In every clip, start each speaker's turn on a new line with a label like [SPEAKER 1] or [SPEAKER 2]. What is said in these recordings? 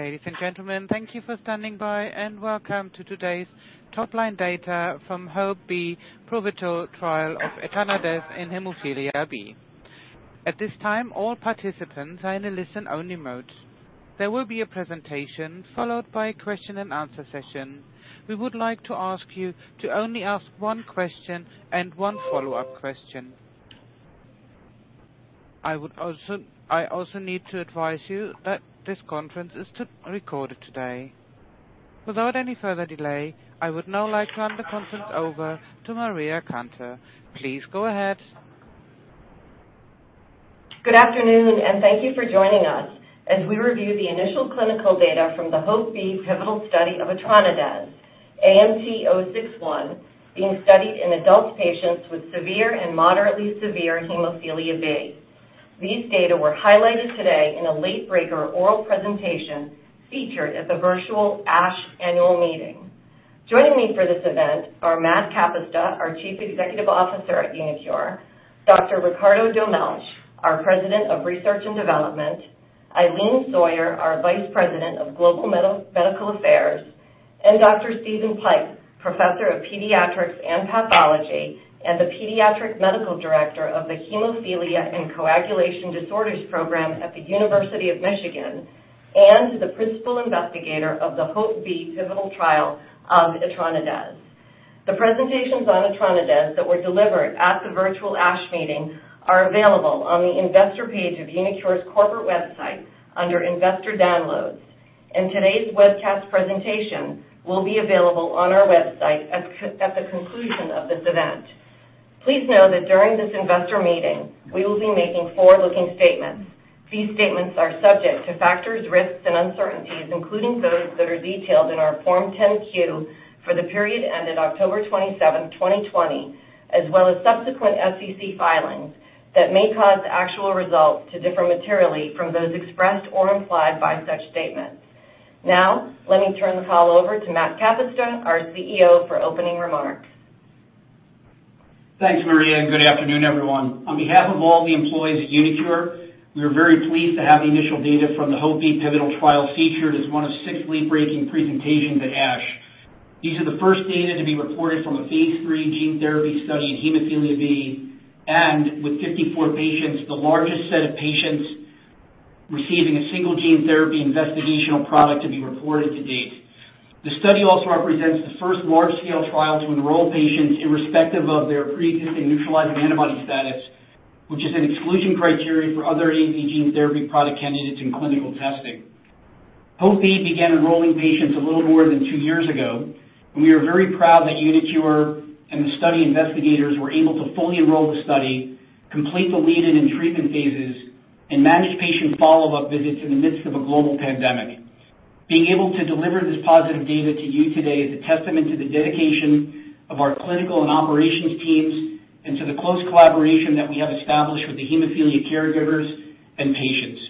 [SPEAKER 1] Ladies and gentlemen, thank you for standing by, and welcome to today's top-line data from HOPE-B pivotal trial of etranacogene dezaparvovec in hemophilia B. At this time, all participants are in a listen-only mode. There will be a presentation followed by a question and answer session. We would like to ask you to only ask one question and one follow-up question. I also need to advise you that this conference is recorded today. Without any further delay, I would now like to hand the conference over to Maria Cantor. Please go ahead.
[SPEAKER 2] Good afternoon, thank you for joining us as we review the initial clinical data from the HOPE-B pivotal study of etranacogene dezaparvovec, AMT-061, being studied in adult patients with severe and moderately severe hemophilia B. These data were highlighted today in a late-breaker oral presentation featured at the Virtual ASH Annual Meeting. Joining me for this event are Matt Kapusta, our Chief Executive Officer at uniQure; Dr. Ricardo Dolmetsch, our President of Research and Development; Eileen Sawyer, our Vice President of Global Medical Affairs; and Dr. Steven Pipe, Professor of Pediatrics and Pathology and the Pediatric Medical Director of the Hemophilia and Coagulation Disorders Program at the University of Michigan, and the Principal Investigator of the HOPE-B pivotal trial of etranacogene dezaparvovec. The presentations on etranacogene dezaparvovec that were delivered at the Virtual ASH Meeting are available on the investor page of uniQure's corporate website under Investor Downloads. Today's webcast presentation will be available on our website at the conclusion of this event. Please know that during this investor meeting, we will be making forward-looking statements. These statements are subject to factors, risks, and uncertainties, including those that are detailed in our Form 10-Q for the period ending October 27, 2020, as well as subsequent SEC filings that may cause actual results to differ materially from those expressed or implied by such statements. Now, let me turn the call over to Matt Kapusta, our CEO, for opening remarks.
[SPEAKER 3] Thanks, Maria Cantor. Good afternoon, everyone. On behalf of all the employees at uniQure, we are very pleased to have the initial data from the HOPE-B pivotal trial featured as one of six late-breaking presentations at ASH. These are the first data to be reported from a phase III gene therapy study in hemophilia B and, with 54 patients, the largest set of patients receiving a single gene therapy investigational product to be reported to date. The study also represents the first large-scale trial to enroll patients irrespective of their preexisting neutralizing antibody status, which is an exclusion criterion for other AAV gene therapy product candidates in clinical testing. HOPE-B began enrolling patients a little more than two years ago. We are very proud that uniQure and the study investigators were able to fully enroll the study, complete the lead-in and treatment phases, and manage patient follow-up visits in the midst of a global pandemic. Being able to deliver this positive data to you today is a testament to the dedication of our clinical and operations teams and to the close collaboration that we have established with the hemophilia caregivers and patients.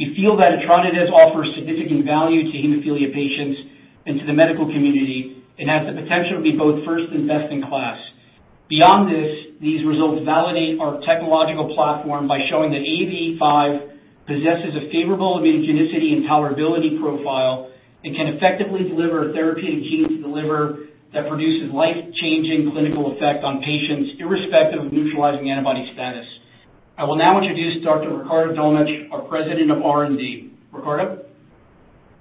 [SPEAKER 3] We feel that EtranaDez offers significant value to hemophilia patients and to the medical community and has the potential to be both first and best in class. Beyond this, these results validate our technological platform by showing that AAV5 possesses a favorable immunogenicity and tolerability profile and can effectively deliver a therapeutic gene to the liver that produces life-changing clinical effect on patients irrespective of neutralizing antibody status. I will now introduce Dr. Ricardo Dolmetsch, our President of R&D. Ricardo Dolmetsch?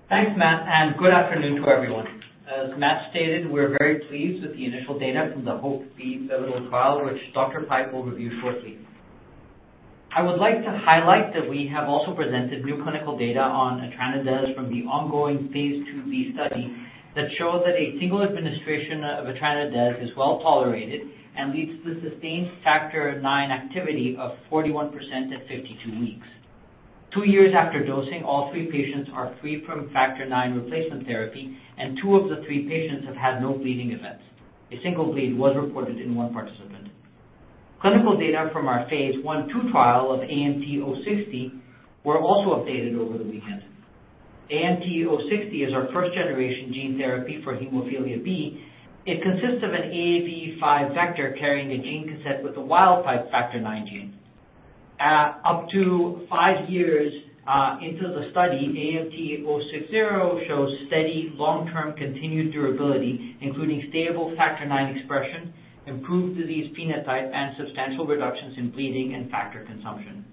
[SPEAKER 4] Thanks, Matt Kapusta. Good afternoon to everyone. As Matt Kapusta stated, we're very pleased with the initial data from the HOPE-B pivotal trial, which Dr. Steven Pipe will review shortly. I would like to highlight that we have also presented new clinical data on etranacogene dezaparvovec from the ongoing phase IIb study that shows that a single administration of etranacogene dezaparvovec is well-tolerated and leads to sustained factor IX activity of 41% at 52 weeks. Two years after dosing, all three patients are free from factor IX replacement therapy, and two of the three patients have had no bleeding events. A single bleed was reported in one participant. Clinical data from our phase I/II trial of AMT-060 were also updated over the weekend. AMT-060 is our first-generation gene therapy for hemophilia B. It consists of an AAV5 vector carrying a gene cassette with a wild-type factor IX gene. Up to five years into the study, AMT-060 shows steady long-term continued durability, including stable Factor IX expression, approved disease phenotype, and substantial reductions in bleeding and factor consumption.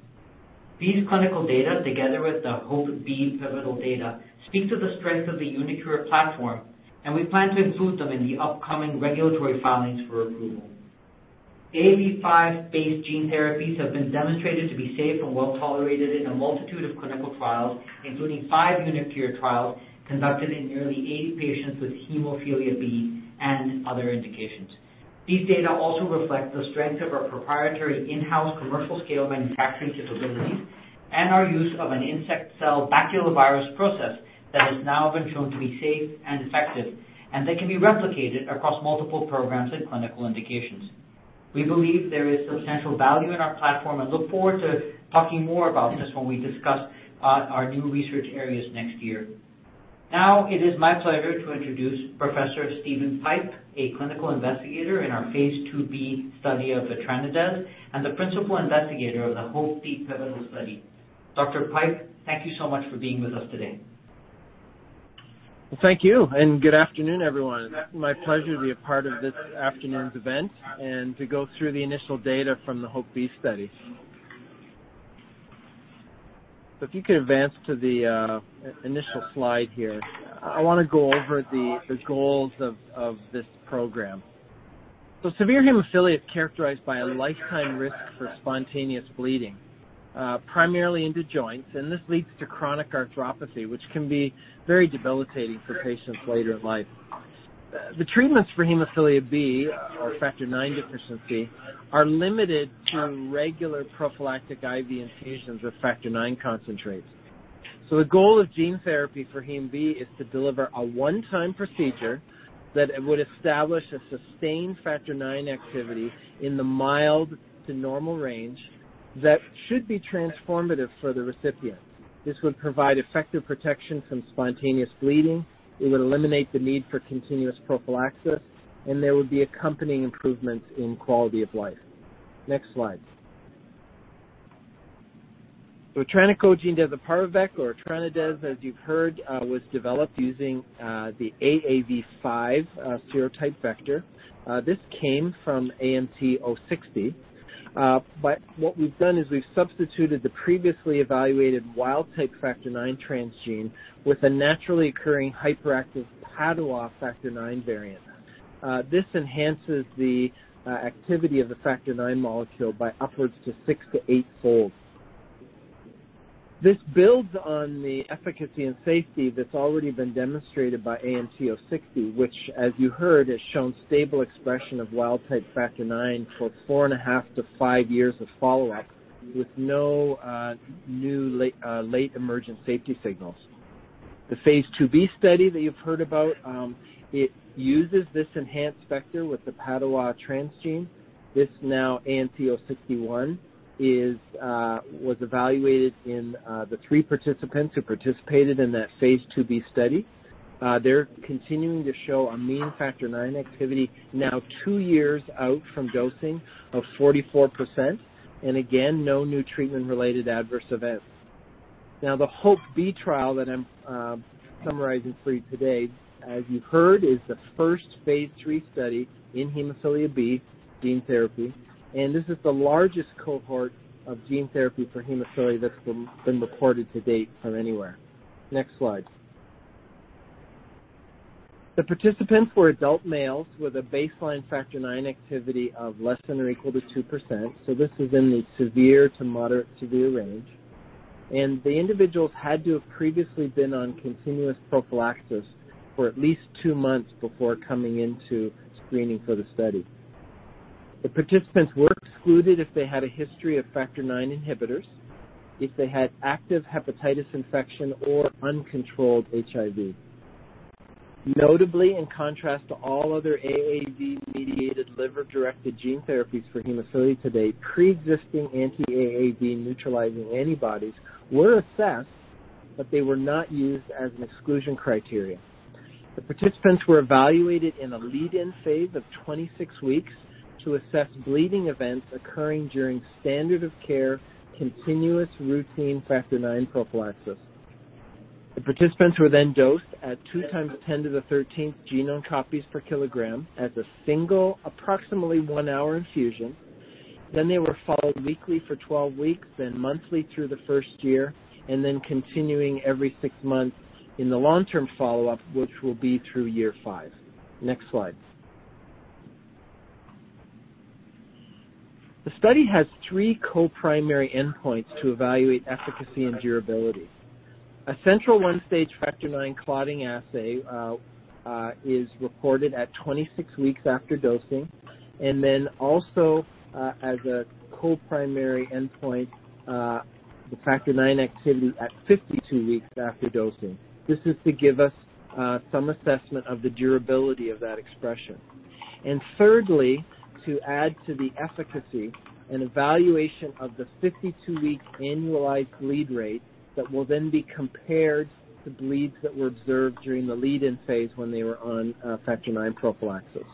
[SPEAKER 4] These clinical data, together with the HOPE-B pivotal data, speak to the strength of the uniQure platform, and we plan to include them in the upcoming regulatory filings for approval. AAV5-based gene therapies have been demonstrated to be safe and well-tolerated in a multitude of clinical trials, including five uniQure trials conducted in nearly 80 patients with hemophilia B and other indications. These data also reflect the strength of our proprietary in-house commercial-scale manufacturing capabilities and our use of an insect cell baculovirus process that has now been shown to be safe and effective, and that can be replicated across multiple programs and clinical indications. We believe there is substantial value in our platform and look forward to talking more about this when we discuss our new research areas next year. Now, It is my pleasure to introduce Professor Steven Pipe, a clinical investigator in our phase IIb study of etranacogene dezaparvovec and the principal investigator of the HOPE-B pivotal study. Dr. Steven Pipe, thank you so much for being with us today.
[SPEAKER 5] Thank you, and good afternoon, everyone. It's my pleasure to be a part of this afternoon's event and to go through the initial data from the HOPE-B study. If you could advance to the initial slide here, I want to go over the goals of this program. Severe hemophilia is characterized by a lifetime risk for spontaneous bleeding, primarily into joints, and this leads to chronic arthropathy, which can be very debilitating for patients later in life. The treatments for hemophilia B, or Factor IX deficiency, are limited to regular prophylactic IV infusions of Factor IX concentrates. The goal of gene therapy for hem B is to deliver a one-time procedure that would establish a sustained Factor IX activity in the mild to normal range that should be transformative for the recipient. This would provide effective protection from spontaneous bleeding, it would eliminate the need for continuous prophylaxis, and there would be accompanying improvements in quality of life. Next slide. Etranacogene dezaparvovec, or EtranaDez, as you've heard, was developed using the AAV5 serotype vector. This came from AMT-060. What we've done is we've substituted the previously evaluated wild-type factor IX transgene with a naturally occurring hyperactive Padua factor IX variant. This enhances the activity of the factor IX molecule by upwards to six to eight-fold. This builds on the efficacy and safety that's already been demonstrated by AMT-060, which, as you heard, has shown stable expression of wild-type factor IX for four and a half to five years of follow-up with no new late emergent safety signals. The phase IIb study that you've heard about, it uses this enhanced vector with the Padua transgene. This now AMT-061 was evaluated in the three participants who participated in that phase IIb study. They're continuing to show a mean factor IX activity now two years out from dosing of 44%, again, and no new treatment-related adverse events. Now, the HOPE-B trial that I'm summarizing for you today, as you've heard, is the first phase III study in hemophilia B gene therapy, this is the largest cohort of gene therapy for hemophilia that's been reported to date from anywhere. Next slide. The participants were adult males with a baseline factor IX activity of less than or equal to 2%, so this is in the severe to moderate severe range. The individuals had to have previously been on continuous prophylaxis for at least two months before coming into screening for the study. The participants were excluded if they had a history of Factor IX inhibitors, if they had active hepatitis infection or uncontrolled HIV. Notably, in contrast to all other AAV-mediated liver-directed gene therapies for hemophilia to date, preexisting anti-AAV neutralizing antibodies were assessed, but they were not used as an exclusion criteria. The participants were evaluated in a lead-in phase of 26 weeks to assess bleeding events occurring during standard of care continuous routine Factor IX prophylaxis. Participants were then dosed at two times 10 to the thirteenth genome copies per kilogram as a single approximately one-hour infusion. Then, they were followed weekly for 12 weeks, then monthly through the first year, and then continuing every six months in the long-term follow-up, which will be through year five. Next slide. The study has three co-primary endpoints to evaluate efficacy and durability. A central one-stage Factor IX clotting assay is reported at 26 weeks after dosing, then also, as a co-primary endpoint, the Factor IX activity at 52 weeks after dosing. This is to give us some assessment of the durability of that expression. Thirdly, to add to the efficacy, an evaluation of the 52-week annualized bleed rate that will then be compared to bleeds that were observed during the lead-in phase when they were on Factor IX prophylaxis.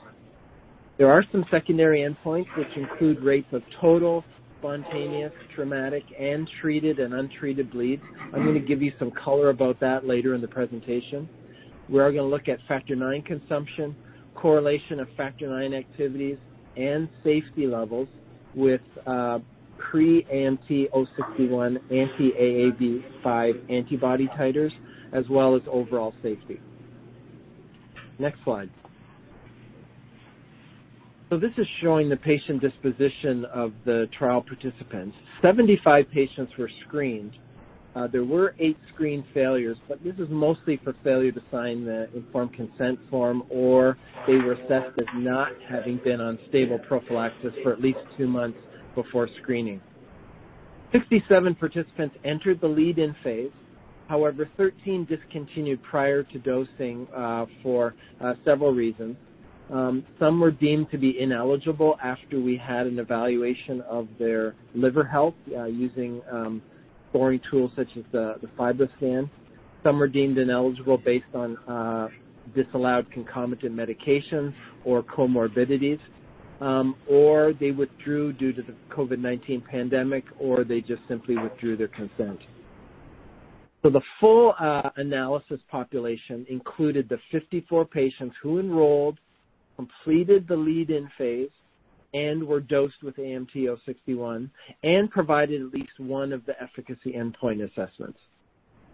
[SPEAKER 5] There are some secondary endpoints which include rates of total, spontaneous, traumatic, and treated and untreated bleeds. I'm going to give you some color about that later in the presentation. We are going to look at Factor IX consumption, correlation of Factor IX activities, and safety levels with pre-AMT-061 anti-AAV5 antibody titers, as well as overall safety. Next slide. This is showing the patient disposition of the trial participants. 75 patients were screened. There were eight screen failures, but this is mostly for failure to sign the informed consent form, or they were assessed as not having been on stable prophylaxis for at least 2 months before screening. 67 participants entered the lead-in phase. However, 13 discontinued prior to dosing for several reasons. Some were deemed to be ineligible after we had an evaluation of their liver health using scoring tools such as the FibroScan. Some were deemed ineligible based on disallowed concomitant medications or comorbidities, or they withdrew due to the COVID-19 pandemic, or they just simply withdrew their consent. The full analysis population included the 54 patients who enrolled, completed the lead-in phase, and were dosed with AMT-061 and provided at least one of the efficacy endpoint assessments.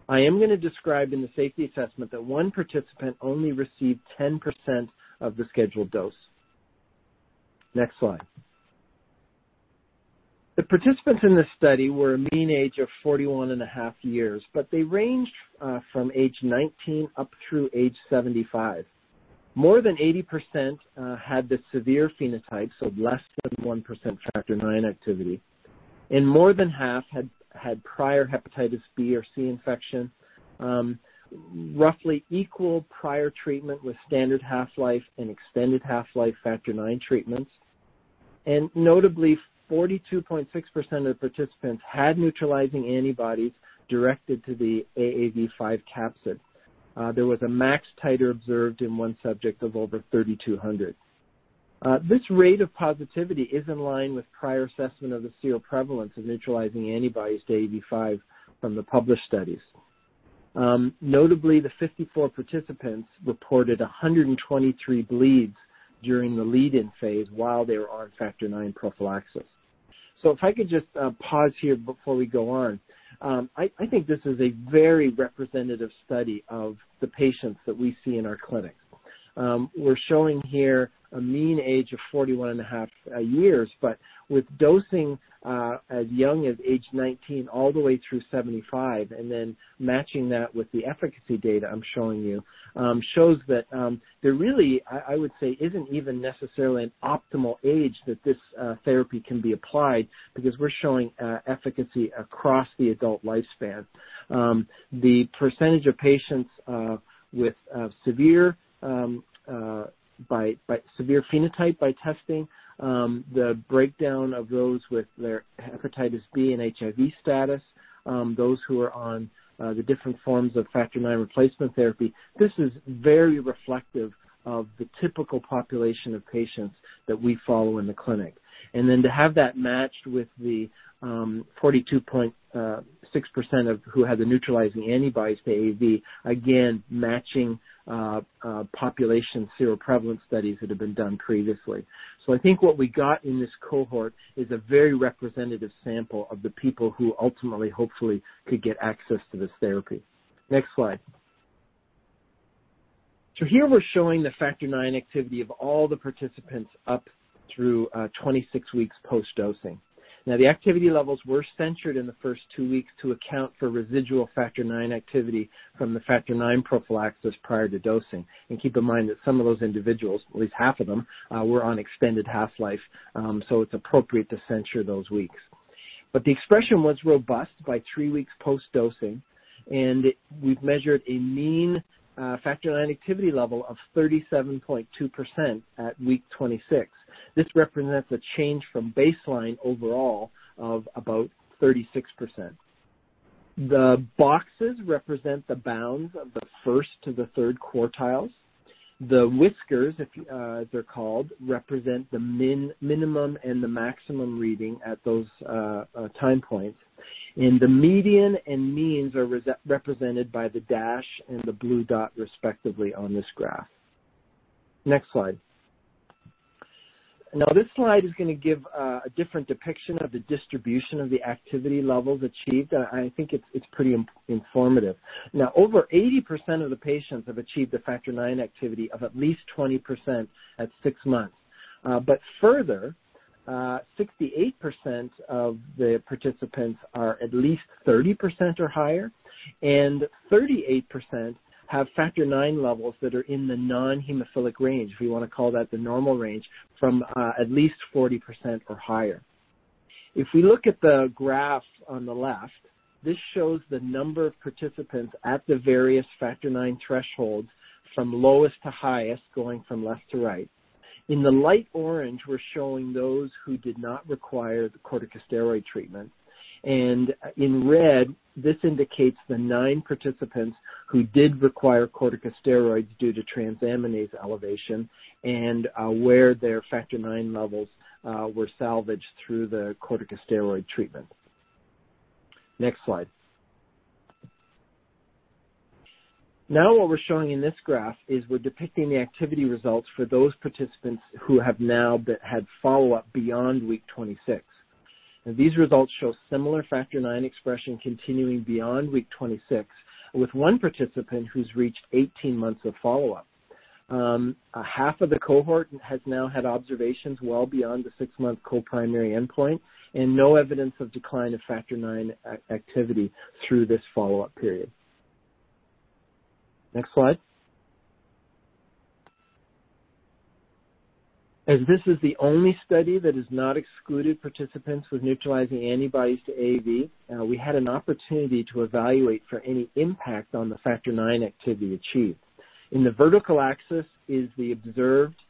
[SPEAKER 5] I am going to describe in the safety assessment that one participant only received 10% of the scheduled dose. Next slide. The participants in this study were a mean age of 41 and a half years, but they ranged from age 19 up through age 75. More than 80% had the severe phenotype, so less than 1% Factor IX activity, and more than half had prior hepatitis B or C infection. Roughly equal prior treatment with standard half-life and extended half-life Factor IX treatments. Notably, 42.6% of participants had neutralizing antibodies directed to the AAV5 capsid. There was a max titer observed in one subject of over 3,200. This rate of positivity is in line with prior assessment of the seroprevalence of neutralizing antibodies to AAV5 from the published studies. Notably, the 54 participants reported 123 bleeds during the lead-in phase while they were on Factor IX prophylaxis. If I could just pause here before we go on. I think this is a very representative study of the patients that we see in our clinic. We're showing here a mean age of 41 and a half years, but with dosing as young as age 19 all the way through 75, and then matching that with the efficacy data I'm showing you, shows that there really, I would say, isn't even necessarily an optimal age that this therapy can be applied, because we're showing efficacy across the adult lifespan. The percentage of patients with severe phenotype by testing, the breakdown of those with their hepatitis B and HIV status, those who are on the different forms of Factor IX replacement therapy. This is very reflective of the typical population of patients that we follow in the clinic. To have that matched with the 42.6% who had the neutralizing antibodies to AAV, again, matching population seroprevalence studies that have been done previously. I think what we got in this cohort is a very representative sample of the people who ultimately, hopefully, could get access to this therapy. Next slide. Here we're showing the Factor IX activity of all the participants up through 26 weeks post-dosing. Now, the activity levels were censored in the first two weeks to account for residual Factor IX activity from the Factor IX prophylaxis prior to dosing. Keep in mind that some of those individuals, at least half of them, were on extended half-life, so it's appropriate to censor those weeks. The expression was robust by three weeks post-dosing, and we've measured a mean Factor IX activity level of 37.2% at week 26. This represents a change from baseline overall of about 36%. The boxes represent the bounds of the first to the third quartiles. The whiskers, as they're called, represent the minimum and the maximum reading at those time points, and the median and means are represented by the dash and the blue dot, respectively, on this graph. Next slide. Now, this slide is going to give a different depiction of the distribution of the activity levels achieved, and I think it's pretty informative. Over 80% of the patients have achieved the Factor IX activity of at least 20% at six months, but further, 68% of the participants are at least 30% or higher, and 38% have Factor IX levels that are in the non-hemophilic range, if you want to call that the normal range, from at least 40% or higher. If we look at the graph on the left, this shows the number of participants at the various Factor IX thresholds from lowest to highest, going from left to right. In the light orange, we're showing those who did not require the corticosteroid treatment. In red, this indicates the nine participants who did require corticosteroids due to transaminase elevation and where their Factor IX levels were salvaged through the corticosteroid treatment. Next slide. Now, what we're showing in this graph is we're depicting the activity results for those participants who have now had follow-up beyond week 26. These results show similar Factor IX expression continuing beyond week 26, with one participant who's reached 18 months of follow-up. Half of the cohort has now had observations well beyond the 6-month co-primary endpoint and no evidence of decline of Factor IX activity through this follow-up period. Next slide. As this is the only study that has not excluded participants with neutralizing antibodies to AAV, we had an opportunity to evaluate for any impact on the Factor IX activity achieved. In the vertical axis is the observed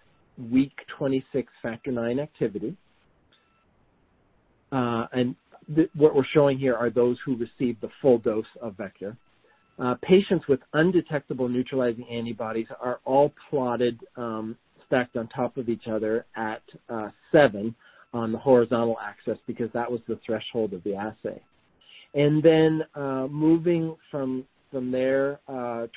[SPEAKER 5] week 26 Factor IX activity. What we're showing here are those who received the full dose of vector. Patients with undetectable neutralizing antibodies are all plotted, stacked on top of each other at seven on the horizontal axis, because that was the threshold of the assay. Then, moving from there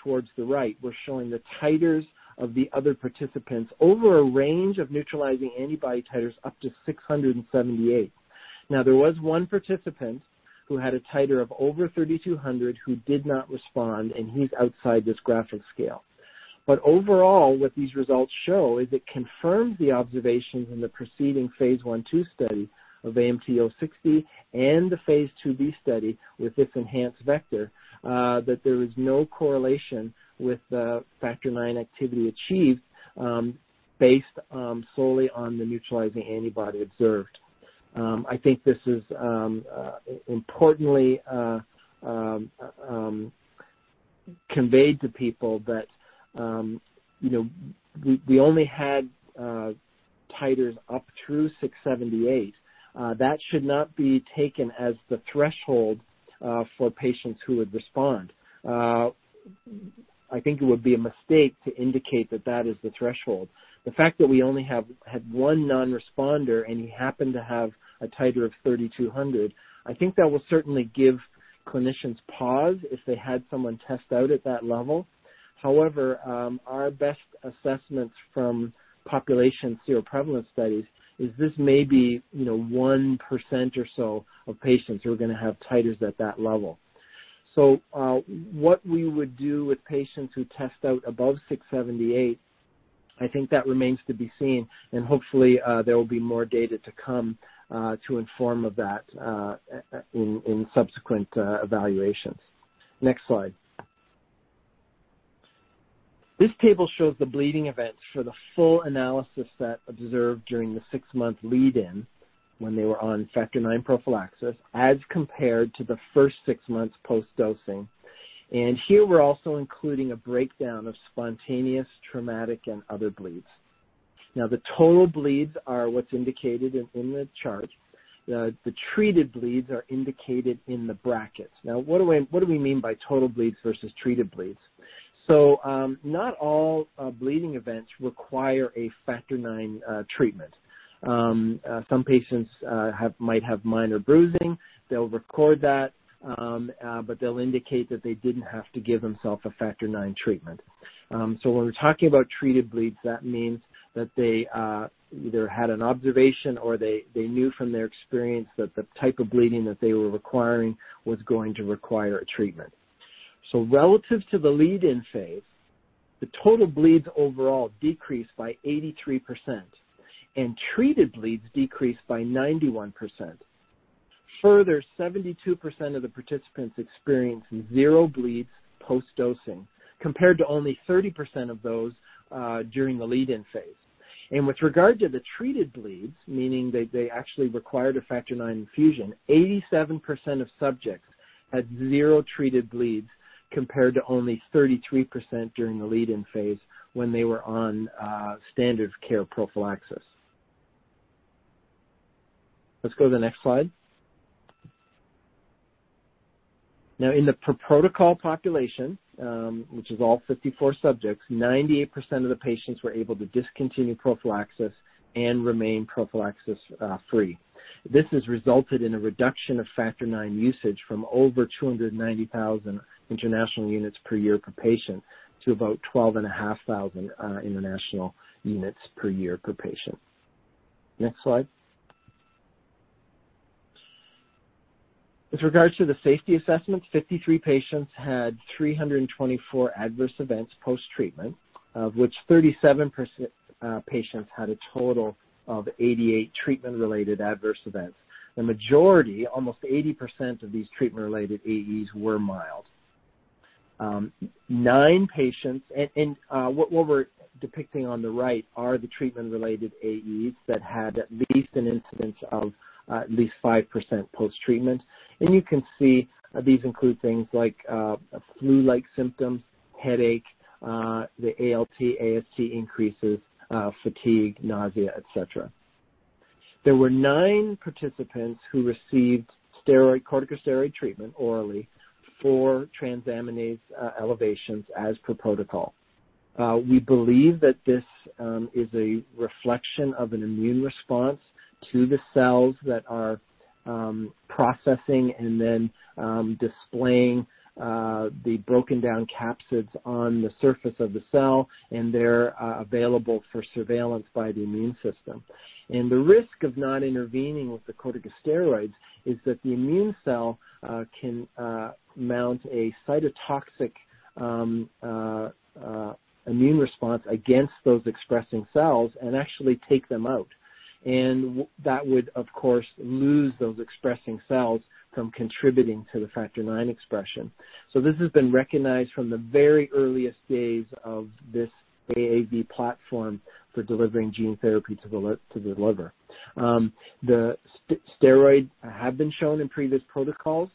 [SPEAKER 5] towards the right, we're showing the titers of the other participants over a range of neutralizing antibody titers up to 678. Now, there was one participant who had a titer of over 3,200 who did not respond, and he's outside this graphic scale. Overall, what these results show is it confirms the observations in the preceding phase I/II study of AMT-060 and the phase IIb study with this enhanced vector, that there was no correlation with the factor IX activity achieved based solely on the neutralizing antibody observed. I think this is importantly conveyed to people that we only had titers up through 678. That should not be taken as the threshold for patients who would respond. I think it would be a mistake to indicate that that is the threshold. The fact that we only had one non-responder and he happened to have a titer of 3,200, I think that will certainly give clinicians pause if they had someone test out at that level. However, our best assessments from population seroprevalence studies is this may be 1% or so of patients who are going to have titers at that level. What we would do with patients who test out above 678, I think that remains to be seen, and hopefully there will be more data to come to inform of that in subsequent evaluations. Next slide. This table shows the bleeding events for the full analysis set observed during the 6-month lead-in when they were on Factor IX prophylaxis, as compared to the first 6 months post-dosing. Here we're also including a breakdown of spontaneous, traumatic, and other bleeds. Now, the total bleeds are what's indicated in the chart. The treated bleeds are indicated in the brackets. Now, what do we mean by total bleeds versus treated bleeds? Not all bleeding events require a Factor IX treatment. Some patients might have minor bruising. They'll record that, but they'll indicate that they didn't have to give themself a Factor IX treatment. When we're talking about treated bleeds, that means that they either had an observation or they knew from their experience that the type of bleeding that they were requiring was going to require a treatment. Relative to the lead-in phase, the total bleeds overall decreased by 83%, and treated bleeds decreased by 91%. Further, 72% of the participants experienced zero bleeds post-dosing, compared to only 30% of those during the lead-in phase. With regard to the treated bleeds, meaning they actually required a Factor IX infusion, 87% of subjects had zero treated bleeds, compared to only 33% during the lead-in phase when they were on standard care prophylaxis. Let's go to the next slide. In the protocol population, which is all 54 subjects, 98% of the patients were able to discontinue prophylaxis and remain prophylaxis free. This has resulted in a reduction of Factor IX usage from over 290,000 international units per year per patient to about 12,500 international units per year per patient. Next slide. With regards to the safety assessment, 53 patients had 324 adverse events post-treatment, of which 37% patients had a total of 88 treatment-related adverse events. The majority, almost 80% of these treatment-related AEs were mild. Nine patients, and what we're depicting on the right are the treatment-related AEs that had at least an incidence of at least 5% post-treatment. You can see these include things like flu-like symptoms, headache, the ALT, AST increases, fatigue, nausea, et cetera. There were nine participants who received corticosteroid treatment orally for transaminase elevations as per protocol. We believe that this is a reflection of an immune response to the cells that are processing and then displaying the broken-down capsids on the surface of the cell, and they're available for surveillance by the immune system. The risk of not intervening with the corticosteroids is that the immune cell can mount a cytotoxic immune response against those expressing cells and actually take them out. That would, of course, lose those expressing cells from contributing to the Factor IX expression. This has been recognized from the very earliest days of this AAV platform for delivering gene therapy to the liver. The steroids have been shown in previous protocols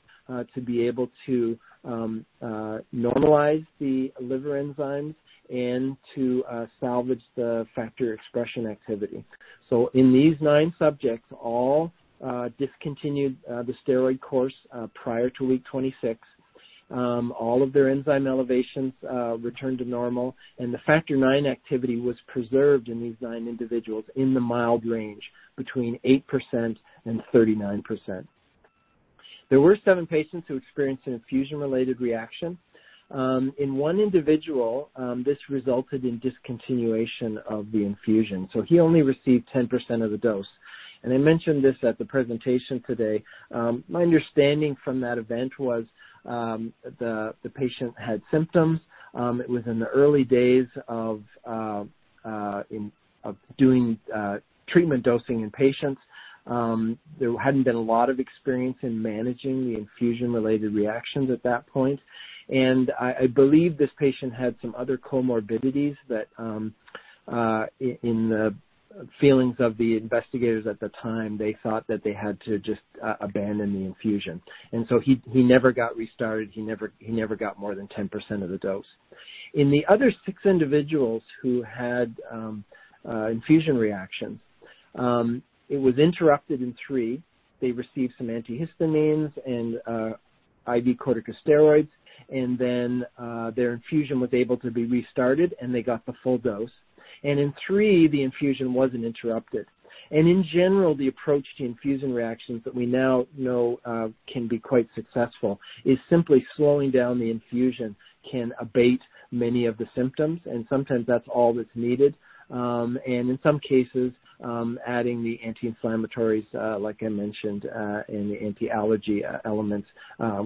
[SPEAKER 5] to be able to normalize the liver enzymes and to salvage the factor expression activity. In these nine subjects, all discontinued the steroid course prior to week 26. All of their enzyme elevations returned to normal, and the Factor IX activity was preserved in these nine individuals in the mild range, between 8% and 39%. There were seven patients who experienced an infusion-related reaction. In one individual, this resulted in discontinuation of the infusion, so he only received 10% of the dose. I mentioned this at the presentation today. My understanding from that event was the patient had symptoms. It was in the early days of doing treatment dosing in patients. There hadn't been a lot of experience in managing the infusion-related reactions at that point. I believe this patient had some other comorbidities that, in the feelings of the investigators at the time, they thought that they had to just abandon the infusion. He never got restarted. He never got more than 10% of the dose. In the other six individuals who had infusion reactions, it was interrupted in three. They received some antihistamines and IV corticosteroids, and then their infusion was able to be restarted, and they got the full dose. In three, the infusion wasn't interrupted. In general, the approach to infusion reactions that we now know can be quite successful is simply slowing down the infusion can abate many of the symptoms, and sometimes that's all that's needed. In some cases, adding the anti-inflammatories, like I mentioned, and the anti-allergy elements,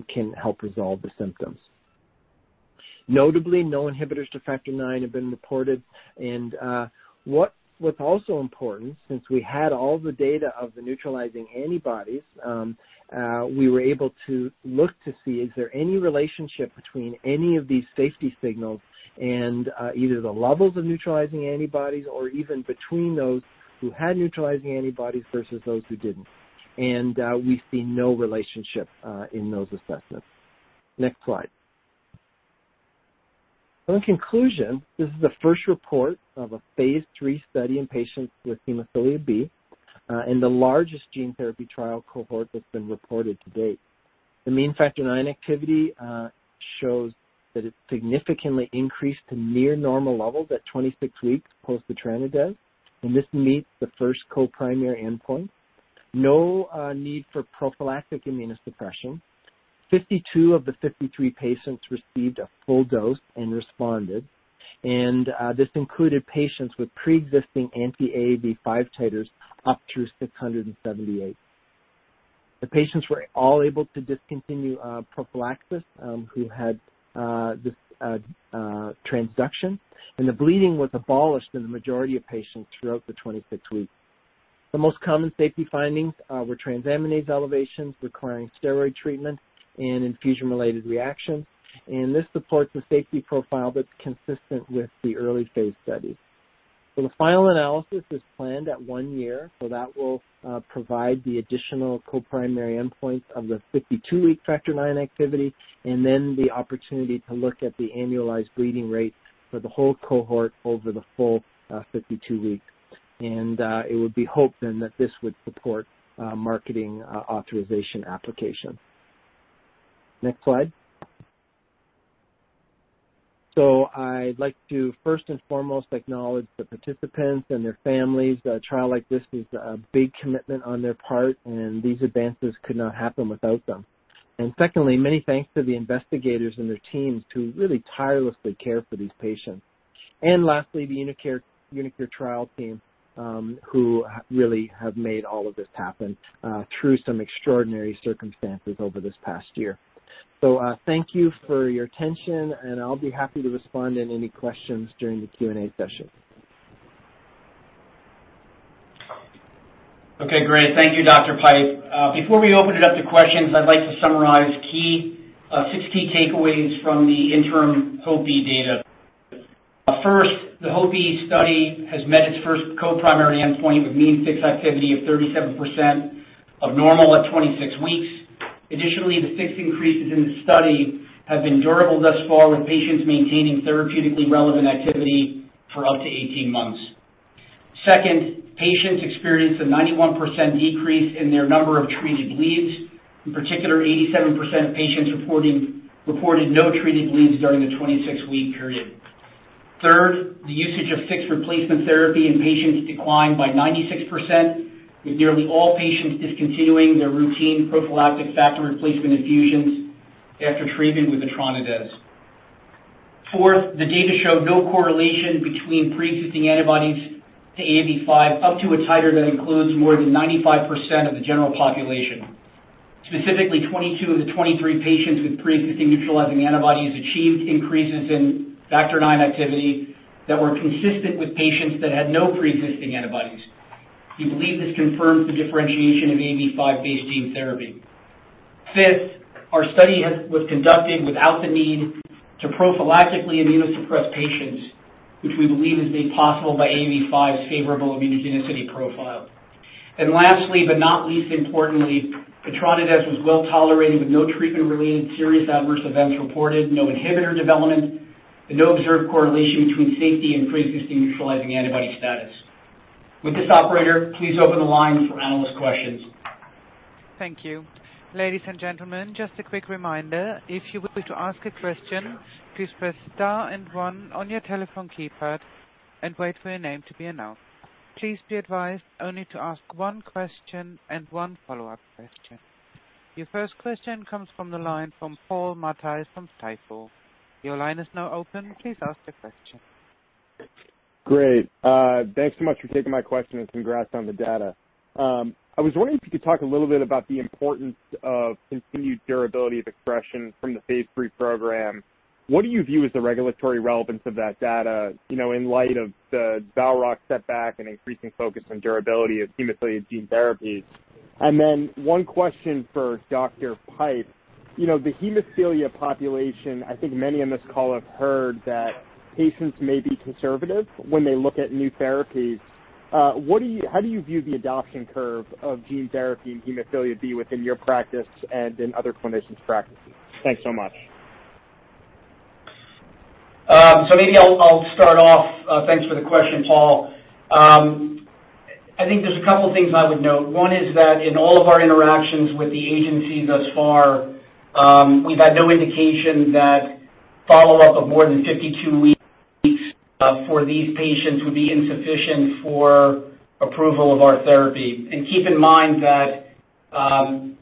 [SPEAKER 5] can help resolve the symptoms. Notably, no inhibitors to Factor IX have been reported. What was also important, since we had all the data of the neutralizing antibodies, we were able to look to see, is there any relationship between any of these safety signals and either the levels of neutralizing antibodies or even between those who had neutralizing antibodies versus those who didn't and we see no relationship in those assessments. Next slide. In conclusion, this is the first report of a phase III study in patients with hemophilia B and the largest gene therapy trial cohort that's been reported to date. The mean Factor IX activity shows that it's significantly increased to near normal levels at 26 weeks post etranacogene dezaparvovec, and this meets the first co-primary endpoint. No need for prophylactic immunosuppression. 52 of the 53 patients received a full dose and responded, and this included patients with preexisting anti-AAV5 titers up through 678. The patients were all able to discontinue prophylaxis who had this transduction, and the bleeding was abolished in the majority of patients throughout the 26 weeks. The most common safety findings were transaminase elevations requiring steroid treatment and infusion-related reactions, and this supports a safety profile that's consistent with the early phase study. The final analysis is planned at one year, that will provide the additional co-primary endpoints of the 52-week Factor IX activity and then the opportunity to look at the annualized bleeding rate for the whole cohort over the full 52 weeks. It would be hoped then that this would support a marketing authorization application. Next slide. I'd like to first and foremost acknowledge the participants and their families. A trial like this is a big commitment on their part, and these advances could not happen without them. Secondly, many thanks to the investigators and their teams who really tirelessly care for these patients. Lastly, the uniQure trial team, who really have made all of this happen through some extraordinary circumstances over this past year. Thank you for your attention, and I'll be happy to respond to any questions during the Q&A session.
[SPEAKER 3] Okay, great. Thank you, Dr. Steven Pipe. Before we open it up to questions, I'd like to summarize six key takeaways from the interim HOPE-B data. First, the HOPE-B study has met its first co-primary endpoint with mean FIX activity of 37% of normal at 26 weeks. Additionally, the FIX increases in the study have been durable thus far, with patients maintaining therapeutically relevant activity for up to 18 months. Second, the patients experienced a 91% decrease in their number of treated bleeds. In particular, 87% of patients reported no treated bleeds during the 26-week period. Third, the usage of FIX replacement therapy in patients declined by 96%, with nearly all patients discontinuing their routine prophylactic factor replacement infusions after treatment with etranacogene dezaparvovec. Fourth, the data show no correlation between pre-existing antibodies to AAV5 up to a titer that includes more than 95% of the general population. Specifically, 22 of the 23 patients with preexisting neutralizing antibodies achieved increases in Factor IX activity that were consistent with patients that had no preexisting antibodies. We believe this confirms the differentiation of AAV5-based gene therapy. Fifth, our study was conducted without the need to prophylactically immunosuppress patients, which we believe is made possible by AAV5's favorable immunogenicity profile. Lastly, but not least importantly, etranacogene dezaparvovec was well-tolerated with no treatment-related serious adverse events reported, no inhibitor development, and no observed correlation between safety and preexisting neutralizing antibody status. With this, operator, please open the line for analyst questions.
[SPEAKER 1] Thank you. Ladies and gentleman, just a quick reminder, if you would like to ask a question, please press star and one on your telephone keypad and wait for your name to be announced. Please be advised only to ask one question and one followup question. Your first question comes from the line from Paul Matteis from Stifel. Your line is now open, please ask the question.
[SPEAKER 6] Great. Thanks so much for taking my question. Congrats on the data. I was wondering if you could talk a little bit about the importance of continued durability of expression from the phase III program. What do you view as the regulatory relevance of that data in light of the BioMarin setback and increasing focus on durability of hemophilia gene therapies? and then one question for Dr. Steven Pipe. The hemophilia population, I think many on this call have heard that patients may be conservative when they look at new therapies. How do you view the adoption curve of gene therapy in hemophilia B within your practice and in other clinicians' practices? Thanks so much.
[SPEAKER 3] Maybe I'll start off. Thanks for the question, Paul Matteis. I think there's a couple things I would note. One is that in all of our interactions with the agencies thus far, we've had no indication that follow-up of more than 52 weeks for these patients would be insufficient for approval of our therapy. Keep in mind that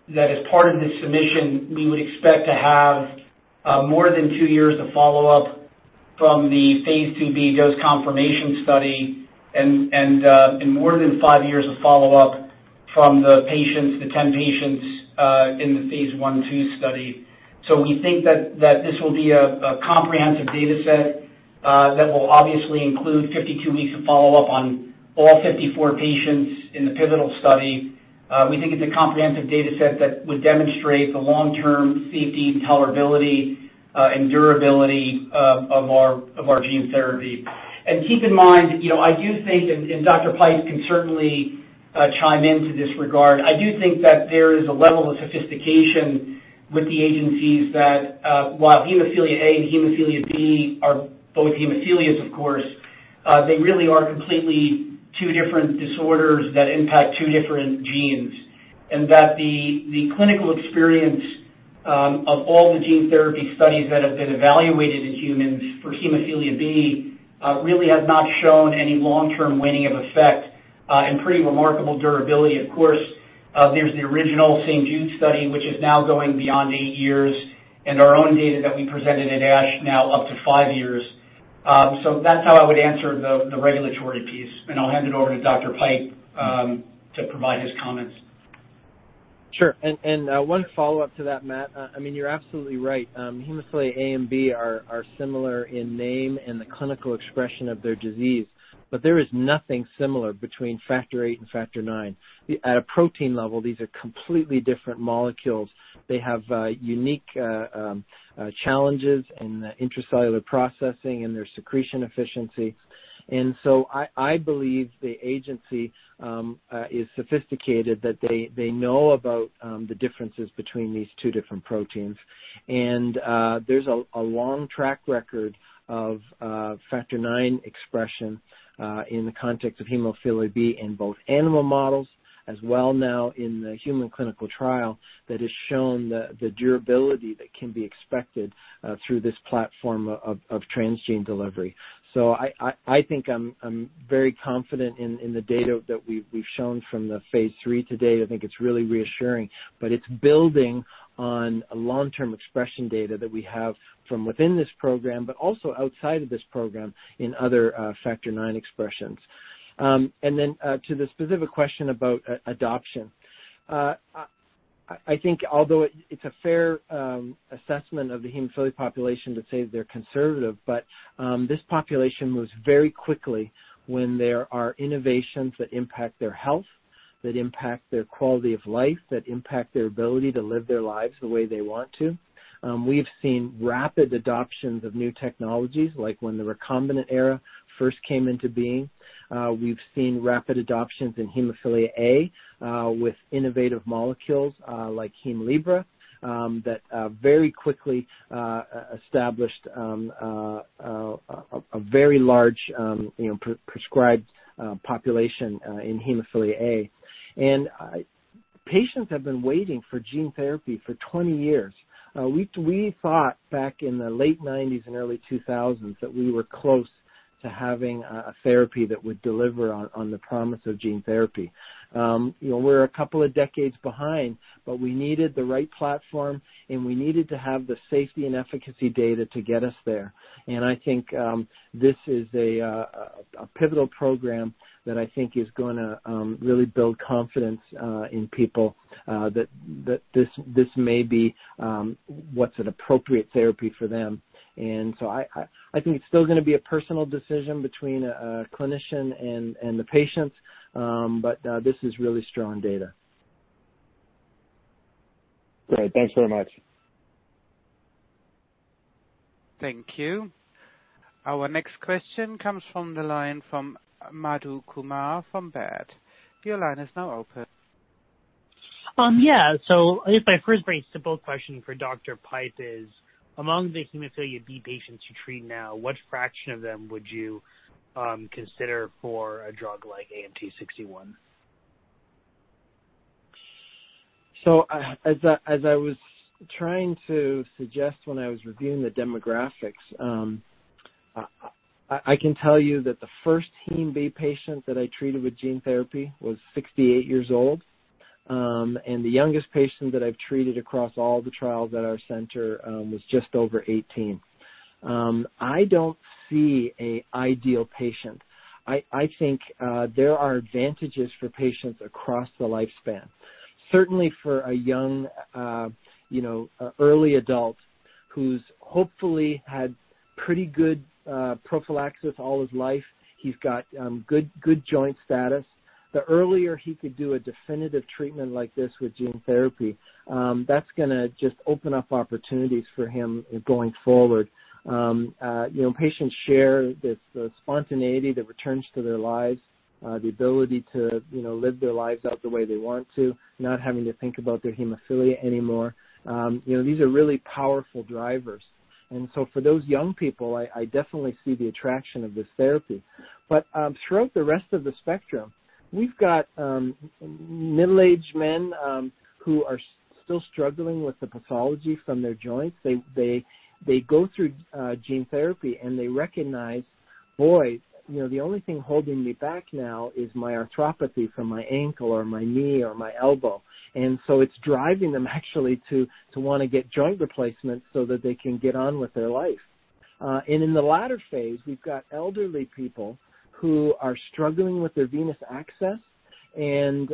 [SPEAKER 3] as part of this submission, we would expect to have more than two years of follow-up from the phase IIb dose confirmation study and more than five years of follow-up from the patients, the 10 patients, in the phase I/II study. We think that this will be a comprehensive dataset that will obviously include 52 weeks of follow-up on all 54 patients in the pivotal study. We think it's a comprehensive dataset that would demonstrate the long-term safety and tolerability and durability of our gene therapy. Keep in mind, I do think, and Dr. Steven Pipe can certainly chime in to this regard. I do think that there is a level of sophistication with the agencies that, while hemophilia A and hemophilia B are both hemophilias, of course, they really are completely two different disorders that impact two different genes, and that the clinical experience of all the gene therapy studies that have been evaluated in humans for hemophilia B really have not shown any long-term waning of effect and pretty remarkable durability. Of course, there's the original St. Jude study, which is now going beyond eight years, and our own data that we presented at ASH now up to five years. That's how I would answer the regulatory piece, and I'll hand it over to Dr. Steven Pipe to provide his comments.
[SPEAKER 5] Sure. One follow-up to that, Matt Kapusta. You're absolutely right. Hemophilia A and B are similar in name and the clinical expression of their disease, but there is nothing similar between Factor VIII and Factor IX. At a protein level, these are completely different molecules. They have unique challenges in intracellular processing and their secretion efficiency. I believe the agency is sophisticated, that they know about the differences between these two different proteins. There's a long track record of Factor IX expression in the context of hemophilia B in both animal models as well now in the human clinical trial that has shown the durability that can be expected through this platform of transgene delivery. I think I'm very confident in the data that we've shown from the phase III to date. I think it's really reassuring. It's building on long-term expression data that we have from within this program, but also outside of this program in other factor IX expressions. To the specific question about adoption. I think although it's a fair assessment of the hemophilia population to say they're conservative, but this population moves very quickly when there are innovations that impact their health, that impact their quality of life, that impact their ability to live their lives the way they want to. We've seen rapid adoptions of new technologies, like when the recombinant era first came into being. We've seen rapid adoptions in hemophilia A with innovative molecules like HEMLIBRA that very quickly established a very large prescribed population in hemophilia A. Patients have been waiting for gene therapy for 20 years. We thought back in the late 1990s and early 2000s that we were close to having a therapy that would deliver on the promise of gene therapy. We're a couple of decades behind, but we needed the right platform, and we needed to have the safety and efficacy data to get us there. I think this is a pivotal program that I think is going to really build confidence in people that this may be what's an appropriate therapy for them. I think it's still going to be a personal decision between a clinician and the patients, but this is really strong data.
[SPEAKER 6] Great. Thanks very much.
[SPEAKER 1] Thank you. Our next question comes from the line from Madhu Kumar from Baird. Your line is now open.
[SPEAKER 7] Yeah. I guess my first very simple question for Dr. Steven Pipe is, among the hemophilia B patients you treat now, what fraction of them would you consider for a drug like AMT-061?
[SPEAKER 5] As I was trying to suggest when I was reviewing the demographics, I can tell you that the first hem B patient that I treated with gene therapy was 68 years old and the youngest patient that I've treated across all the trials at our center was just over 18. I don't see an ideal patient. I think there are advantages for patients across the lifespan. Certainly for a young, early adult who's hopefully had pretty good prophylaxis all his life. He's got good joint status. The earlier he could do a definitive treatment like this with gene therapy, that's going to just open up opportunities for him going forward. Patients share this spontaneity that returns to their lives, the ability to, you know, live their lives out the way they want to, not having to think about their hemophilia anymore. These are really powerful drivers. for those young people, I definitely see the attraction of this therapy. Throughout the rest of the spectrum, we've got middle-aged men who are still struggling with the pathology from their joints. They go through gene therapy, and they recognize, "Boy, the only thing holding me back now is my arthropathy from my ankle or my knee or my elbow." It's driving them actually to want to get joint replacements so that they can get on with their life. In the latter phase, we've got elderly people who are struggling with their venous access and,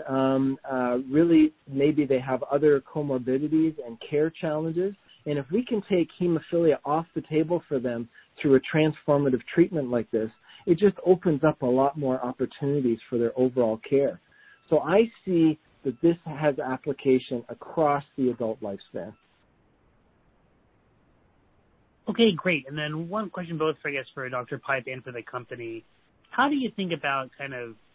[SPEAKER 5] really, maybe they have other comorbidities and care challenges. If we can take hemophilia off the table for them through a transformative treatment like this, it just opens up a lot more opportunities for their overall care. I see that this has application across the adult lifespan.
[SPEAKER 7] Okay, great. Then, one question both, I guess, for Dr. Steven Pipe and for the company. How do you think about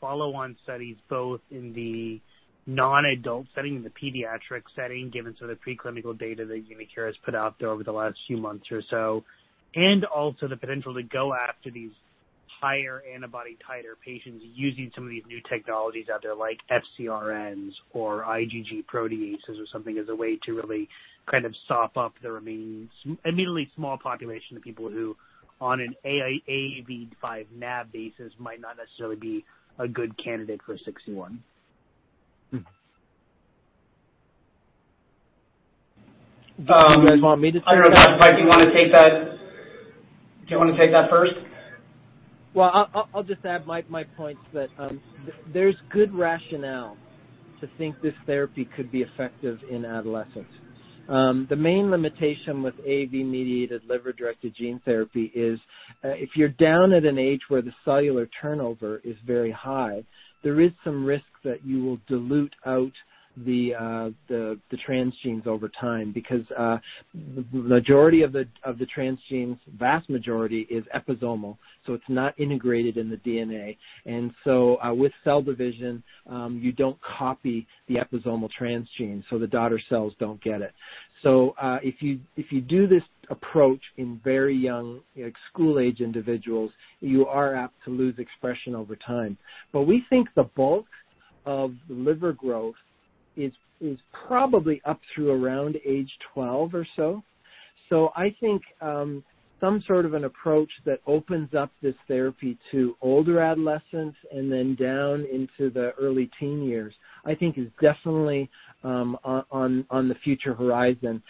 [SPEAKER 7] follow-on studies, both in the non-adult setting and the pediatric setting, given sort of preclinical data that uniQure has put out there over the last few months or so? Also the potential to go after these higher antibody titer patients using some of these new technologies out there, like FcRn or IgG proteases or something as a way to really kind of sop up the remaining admittedly small population of people who, on an AAV5 NAb basis might not necessarily be a good candidate for 61.
[SPEAKER 5] Do you guys want me to start?
[SPEAKER 3] I don't know, Dr. Steven Pipe do you want to take that first?
[SPEAKER 5] Well, I'll just add my point that there's good rationale to think this therapy could be effective in adolescents. The main limitation with AAV-mediated liver-directed gene therapy is if you're down at an age where the cellular turnover is very high, there is some risk that you will dilute out the transgenes over time, because the majority of the transgenes, vast majority, is episomal. It's not integrated in the DNA. With cell division, you don't copy the episomal transgene, so the daughter cells don't get it. If you do this approach in very young school-age individuals, you are apt to lose expression over time. We think the bulk of the liver growth is probably up through around age 12 or so. I think some sort of an approach that opens up this therapy to older adolescents and then down into the early teen years, I think is definitely on the future horizon.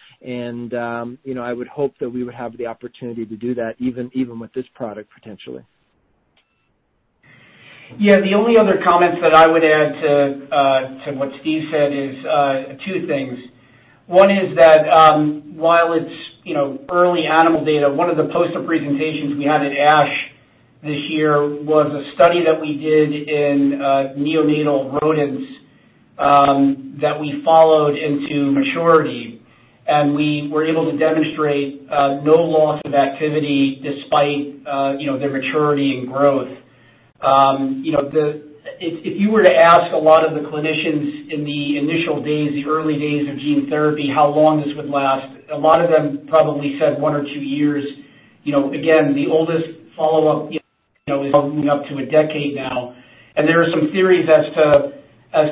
[SPEAKER 5] I would hope that we would have the opportunity to do that even with this product potentially.
[SPEAKER 3] Yeah. The only other comments that I would add to what Steven Pipe said is two things. One is that while it's early animal data, one of the poster presentations we had at ASH this year was a study that we did in neonatal rodents that we followed into maturity, and we were able to demonstrate no loss of activity despite their maturity and growth. If you were to ask a lot of the clinicians in the initial days, the early days of gene therapy, how long this would last, a lot of them probably said one or two years. Again, the oldest follow-up is up to a decade now. There are some theories as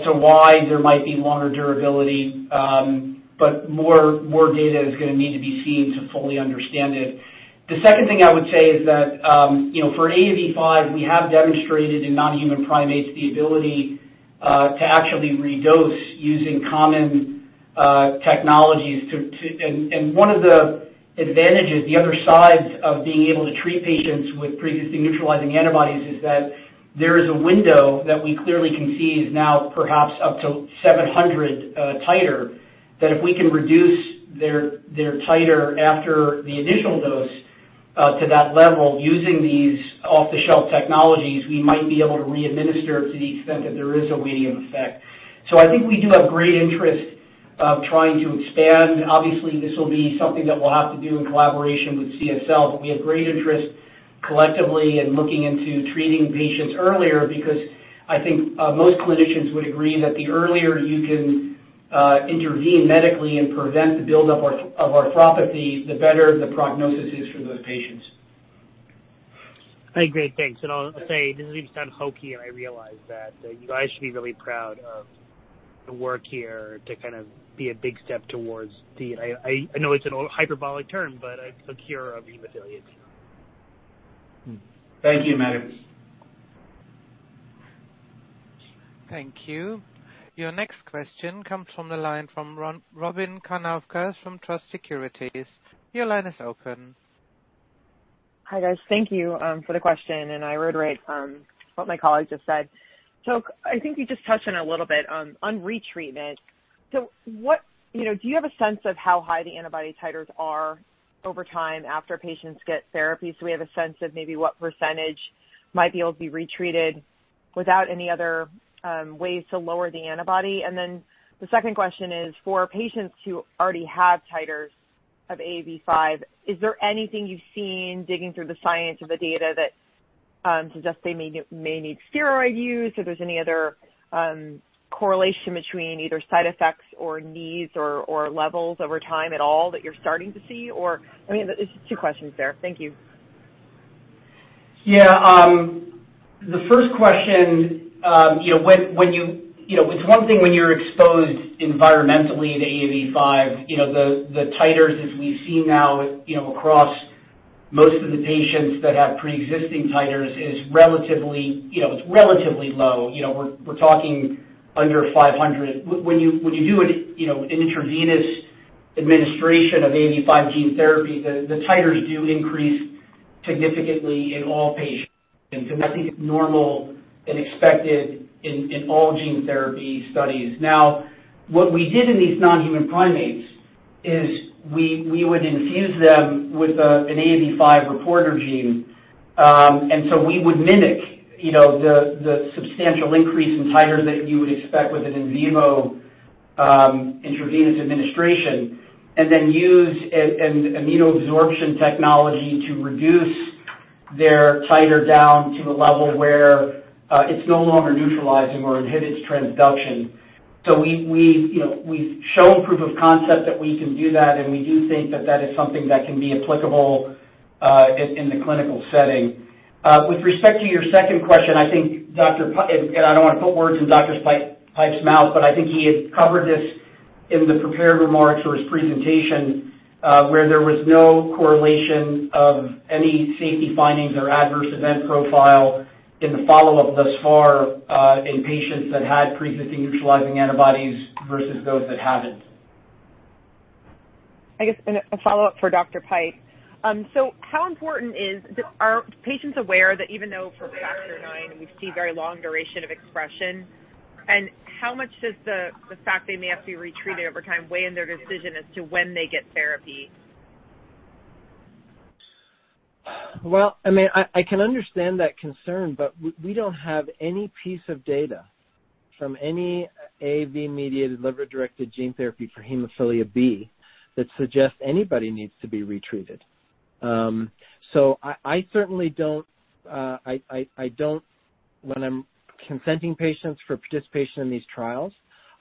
[SPEAKER 3] to why there might be longer durability, but more data is going to need to be seen to fully understand it. The second thing I would say is that, for AAV5, we have demonstrated in non-human primates the ability to actually redose using common technologies. One of the advantages, the other side of being able to treat patients with pre-existing neutralizing antibodies, is that there is a window that we clearly can see is now perhaps up to 700 titer. That if we can reduce their titer after the initial dose to that level using these off-the-shelf technologies, we might be able to readminister it to the extent that there is a waning effect. I think we do have great interest of trying to expand. Obviously, this will be something that we'll have to do in collaboration with CSL, but we have great interest collectively in looking into treating patients earlier because I think most clinicians would agree that the earlier you can intervene medically and prevent the buildup of arthropathy, the better the prognosis is for those patients.
[SPEAKER 7] Great. Thanks. I'll say, this is going to sound hokey. I realize that you guys should be really proud of the work here to kind of be a big step towards the, I know it's a hyperbolic term, but a cure of hemophilia.
[SPEAKER 3] Thank you, Madhu Kumar.
[SPEAKER 1] Thank you. Your next question comes from the line from Robyn Karnauskas from Truist Securities. Your line is open.
[SPEAKER 8] Hi, guys. Thank you for the question, and I reiterate what my colleague just said. I think you just touched on it a little bit on retreatment. Do you have a sense of how high the antibody titers are over time after patients get therapy? We have a sense of maybe what percentage might be able to be retreated without any other ways to lower the antibody. The second question is, for patients who already have titers of AAV5, is there anything you've seen digging through the science of the data that suggests they may need steroid use, or there's any other correlation between either side effects or needs or levels over time at all that you're starting to see? I mean, there's two questions there. Thank you.
[SPEAKER 3] Yeah. The first question, it's one thing when you're exposed environmentally to AAV5. The titers, as we see now across most of the patients that have preexisting titers is relatively low. We're talking under 500. When you do an intravenous administration of AAV5 gene therapy, the titers do increase significantly in all patients. That's normal and expected in all gene therapy studies. Now, what we did in these non-human primates is we would infuse them with an AAV5 reporter gene. We would mimic the substantial increase in titer that you would expect with an in vivo intravenous administration and then use an immunoadsorption technology to reduce their titer down to a level where it's no longer neutralizing or inhibits transduction. We've shown proof of concept that we can do that, and we do think that that is something that can be applicable in the clinical setting. With respect to your second question, I think Dr. Steven Pipe, and I don't want to put words in Dr. Steven Pipe's mouth, but I think he had covered this in the prepared remarks or his presentation where there was no correlation of any safety findings or adverse event profile in the follow-up thus far in patients that had pre-existing neutralizing antibodies versus those that haven't.
[SPEAKER 8] I guess a follow-up for Dr. Steven Pipe. Are patients aware that even though for Factor IX, we see very long duration of expression, and how much does the fact they may have to be retreated over time weigh in their decision as to when they get therapy?
[SPEAKER 5] Well, I mean, I can understand that concern, but we don't have any piece of data from any AAV-mediated liver-directed gene therapy for hemophilia B that suggests anybody needs to be retreated. I certainly don't, when I'm consenting patients for participation in these trials,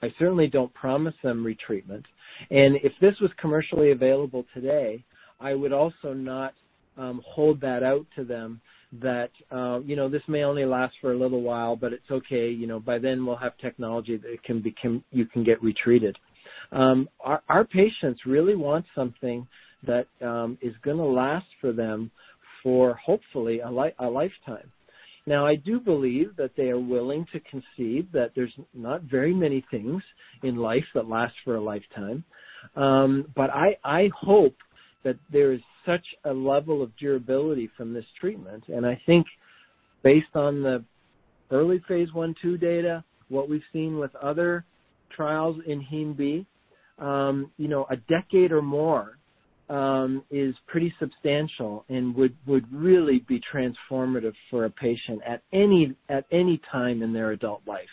[SPEAKER 5] I certainly don't promise them retreatment. If this was commercially available today, I would also not hold that out to them that this may only last for a little while, but it's okay. By then, we'll have technology that you can get retreated. Our patients really want something that is going to last for them for hopefully a lifetime. Now, I do believe that they are willing to concede that there's not very many things in life that last for a lifetime, but I hope that there is such a level of durability from this treatment. I think based on the early phase I, II data, what we've seen with other trials in hemophilia B, a decade or more is pretty substantial and would really be transformative for a patient at any time in their adult life.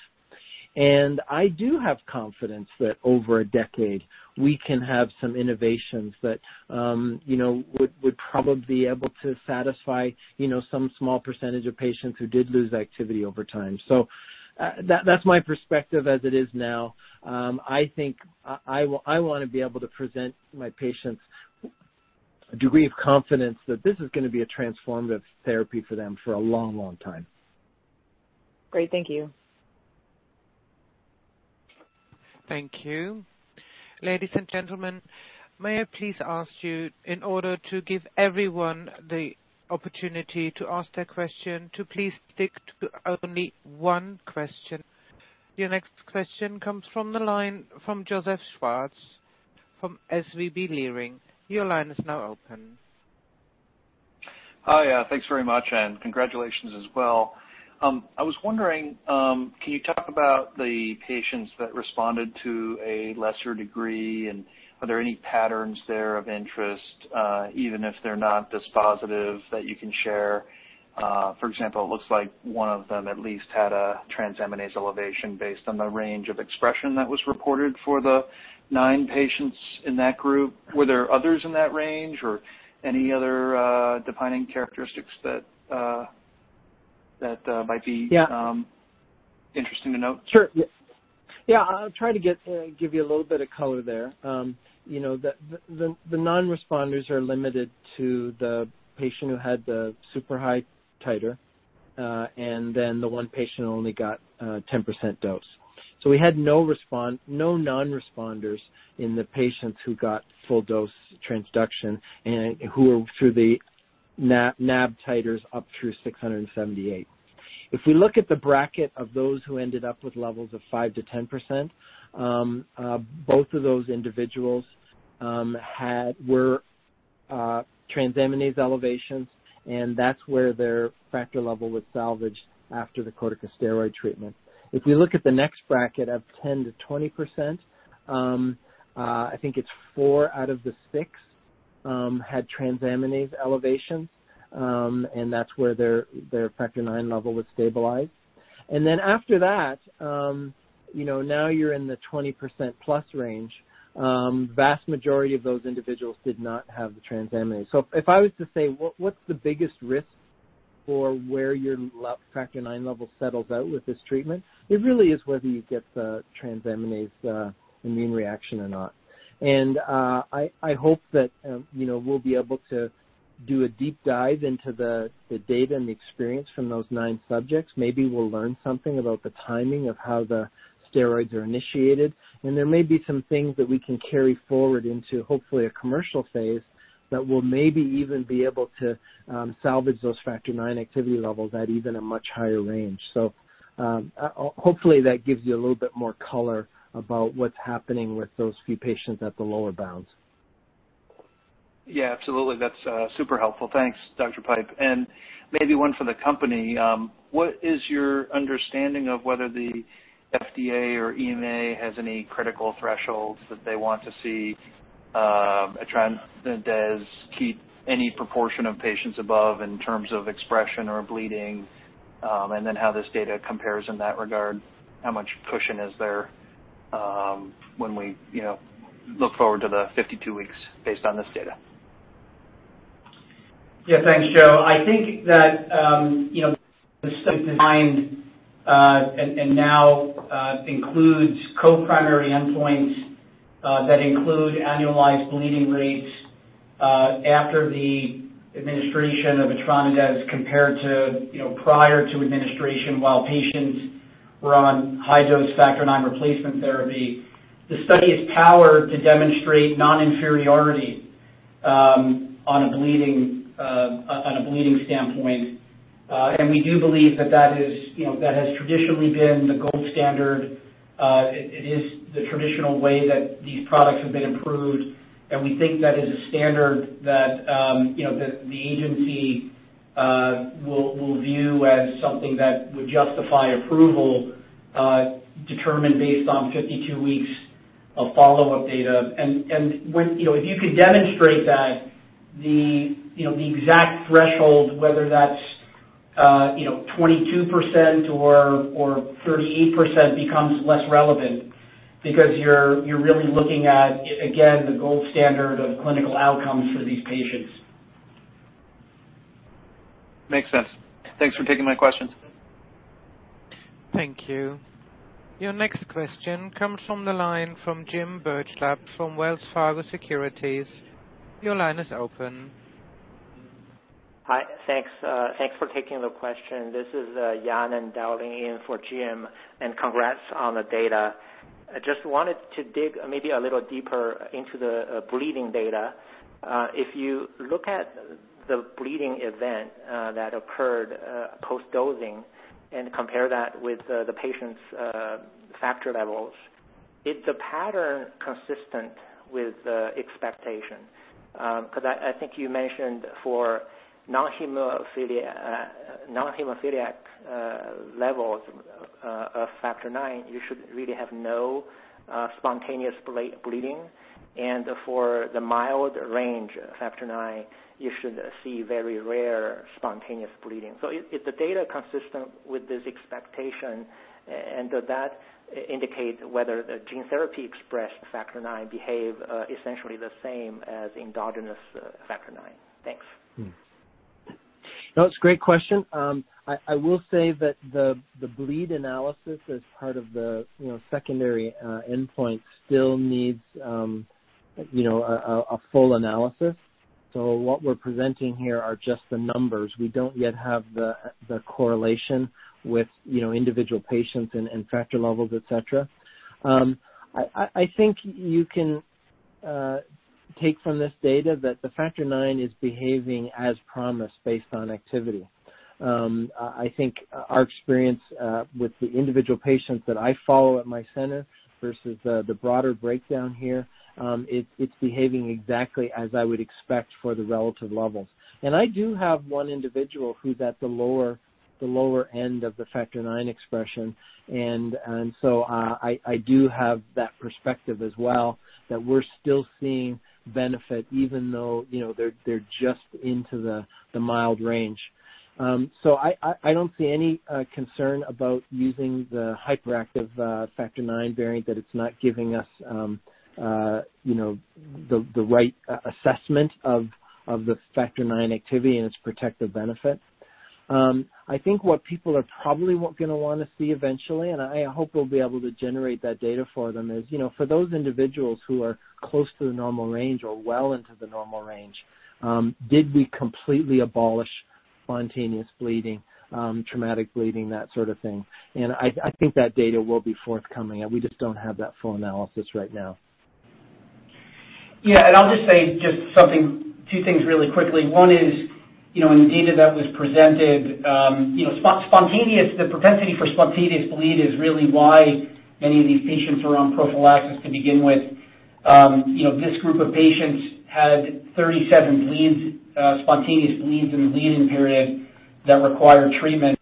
[SPEAKER 5] I do have confidence that over a decade, we can have some innovations that would probably be able to satisfy some small percentage of patients who did lose activity over time. That's my perspective as it is now. I want to be able to present my patients a degree of confidence that this is going to be a transformative therapy for them for a long time.
[SPEAKER 8] Great. Thank you.
[SPEAKER 1] Thank you. Ladies and gentlemen, may I please ask you, in order to give everyone the opportunity to ask their question, to please stick to only one question? Your next question comes from the line from Joseph Schwartz from SVB Leerink. Your line is now open.
[SPEAKER 9] Hi. Thanks very much, and congratulations as well. I was wondering, can you talk about the patients that responded to a lesser degree, and are there any patterns there of interest, even if they're not this positive, that you can share? For example, it looks like one of them at least had a transaminase elevation based on the range of expression that was reported for the nine patients in that group. Were there others in that range, or any other defining characteristics that might be-
[SPEAKER 5] Yeah
[SPEAKER 9] interesting to note?
[SPEAKER 5] Sure. Yeah. I'll try to give you a little bit of color there. The non-responders are limited to the patient who had the super high titer, and then the one patient who only got 10% dose. We had no non-responders in the patients who got full dose transduction and who are through the NAb titers up through 678. If we look at the bracket of those who ended up with levels of 5%-10%, both of those individuals had transaminase elevations, and that's where their Factor level was salvaged after the corticosteroid treatment. If you look at the next bracket of 10%-20%, I think it's four out of the six had transaminase elevations, and that's where their Factor IX level was stabilized. After that, now you're in the 20%+ range, vast majority of those individuals did not have the transaminase. If I was to say, what's the biggest risk for where your Factor IX level settles out with this treatment? It really is whether you get the transaminase immune reaction or not. I hope that we'll be able to do a deep dive into the data and the experience from those nine subjects. Maybe we'll learn something about the timing of how the steroids are initiated, and there may be some things that we can carry forward into, hopefully, a commercial phase that will maybe even be able to salvage those Factor IX activity levels at even a much higher range. Hopefully, that gives you a little bit more color about what's happening with those few patients at the lower bounds.
[SPEAKER 9] Yeah, absolutely. That's super helpful. Thanks, Dr. Steven Pipe. Maybe one for the company. What is your understanding of whether the FDA or EMA has any critical thresholds that they want to see etranacogene dezaparvovec keep any proportion of patients above in terms of expression or bleeding, and then how this data compares in that regard? How much cushion is there when we look forward to the 52 weeks based on this data?
[SPEAKER 3] Thanks, Joseph Schwartz. I think that the study design, and now includes co-primary endpoints that include annualized bleeding rates after the administration of etranacogene dezaparvovec compared to prior to administration while patients were on high-dose Factor IX replacement therapy. The study is powered to demonstrate non-inferiority on a bleeding standpoint. We do believe that has traditionally been the gold standard. It is the traditional way that these products have been improved, and we think that is a standard that the agency will view as something that would justify approval, determined based on 52 weeks of follow-up data. If you can demonstrate that, the exact threshold, whether that's 22% or 38%, becomes less relevant because you're really looking at, again, the gold standard of clinical outcomes for these patients.
[SPEAKER 9] Makes sense. Thanks for taking my questions.
[SPEAKER 1] Thank you. Your next question comes from the line from Jim Birchenough from Wells Fargo Securities. Your line is open.
[SPEAKER 10] Hi. Thanks for taking the question. This is Yanan dialing in for Jim Birchenough. Congrats on the data. I just wanted to dig maybe a little deeper into the bleeding data. If you look at the bleeding event that occurred post-dosing and compare that with the patient's factor levels, is the pattern consistent with expectation? Because I think you mentioned for non-hemophiliac levels of Factor IX, you should really have no spontaneous bleeding. For the mild range Factor IX, you should see very rare spontaneous bleeding. Is the data consistent with this expectation, and does that indicate whether the gene therapy expressed Factor IX behave essentially the same as endogenous Factor IX? Thanks.
[SPEAKER 5] No, it's a great question. I will say that the bleed analysis as part of the secondary endpoint still needs a full analysis. What we're presenting here are just the numbers. We don't yet have the correlation with individual patients and factor levels, et cetera. I think you can take from this data that the Factor IX is behaving as promised based on activity. I think our experience with the individual patients that I follow at my center versus the broader breakdown here, it's behaving exactly as I would expect for the relative levels. I do have one individual who's at the lower end of the Factor IX expression. I do have that perspective as well that we're still seeing benefit even though they're just into the mild range. I don't see any concern about using the hyperactive Factor IX variant that it's not giving us the right assessment of the Factor IX activity and its protective benefit. I think what people are probably going to want to see eventually, and I hope we'll be able to generate that data for them, is for those individuals who are close to the normal range or well into the normal range, did we completely abolish spontaneous bleeding, traumatic bleeding, that sort of thing? I think that data will be forthcoming, and we just don't have that full analysis right now.
[SPEAKER 3] I'll just say just two things really quickly. One is, in the data that was presented, the propensity for spontaneous bleed is really why many of these patients are on prophylaxis to begin with. This group of patients had 37 spontaneous bleeds in the lead-in period that required treatment.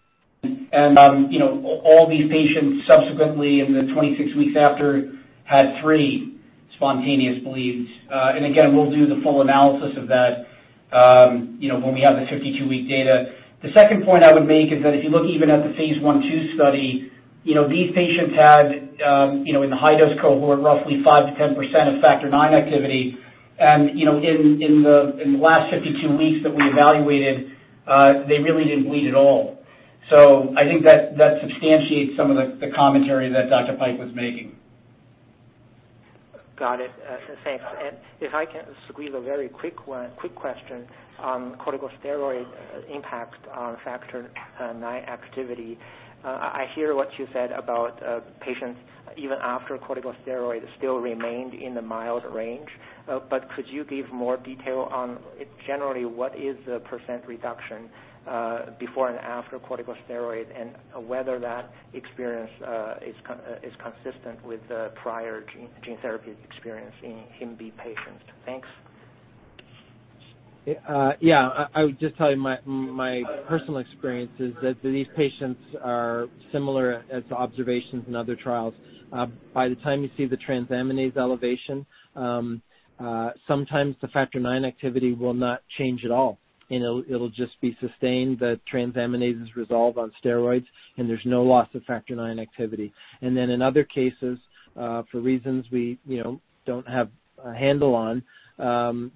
[SPEAKER 3] All these patients subsequently in the 26 weeks after had three spontaneous bleeds. Again, we'll do the full analysis of that when we have the 52-week data. The second point I would make is that if you look even at the phase I/II study, these patients had, in the high-dose cohort, roughly 5% to 10% of Factor IX activity. In the last 52 weeks that we evaluated, they really didn't bleed at all. I think that substantiates some of the commentary that Steven Pipe was making.
[SPEAKER 10] Got it. Thanks. If I can squeeze a very quick question on corticosteroid impact on Factor IX activity. I hear what you said about patients even after corticosteroids still remained in the mild range. Could you give more detail on generally what is the percent reduction before and after corticosteroids and whether that experience is consistent with the prior gene therapy experience in hemophilia B patients? Thanks.
[SPEAKER 5] I would just tell you my personal experience is that these patients are similar as to observations in other trials. By the time you see the transaminase elevation, sometimes the Factor IX activity will not change at all. It'll just be sustained. The transaminase is resolved on steroids, and there's no loss of Factor IX activity. In other cases, for reasons we don't have a handle on,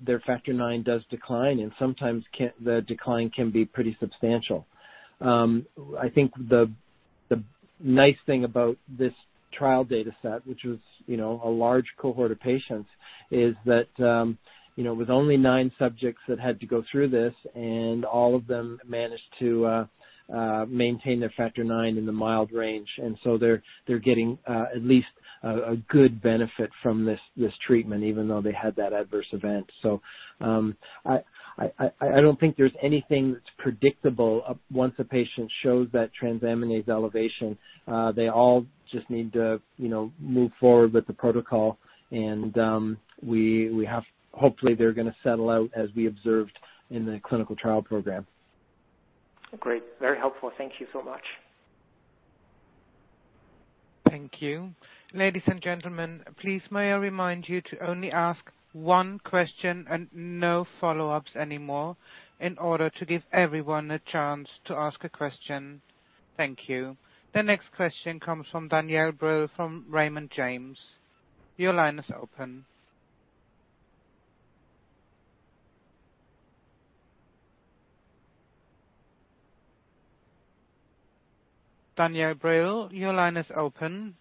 [SPEAKER 5] their Factor IX does decline, and sometimes the decline can be pretty substantial. I think the nice thing about this trial data set, which was a large cohort of patients, is that with only nine subjects that had to go through this, all of them managed to maintain their Factor IX in the mild range. They're getting at least a good benefit from this treatment, even though they had that adverse event. I don't think there's anything that's predictable once a patient shows that transaminase elevation. They all just need to move forward with the protocol. Hopefully they're going to settle out as we observed in the clinical trial program.
[SPEAKER 10] Great. Very helpful. Thank you so much.
[SPEAKER 1] Thank you. Ladies and gentlemen, please may I remind you to only ask one question and no follow-ups anymore in order to give everyone a chance to ask a question. Thank you. The next question comes from Danielle Brill from Raymond James. Your line is open. Danielle Brill, your line is open.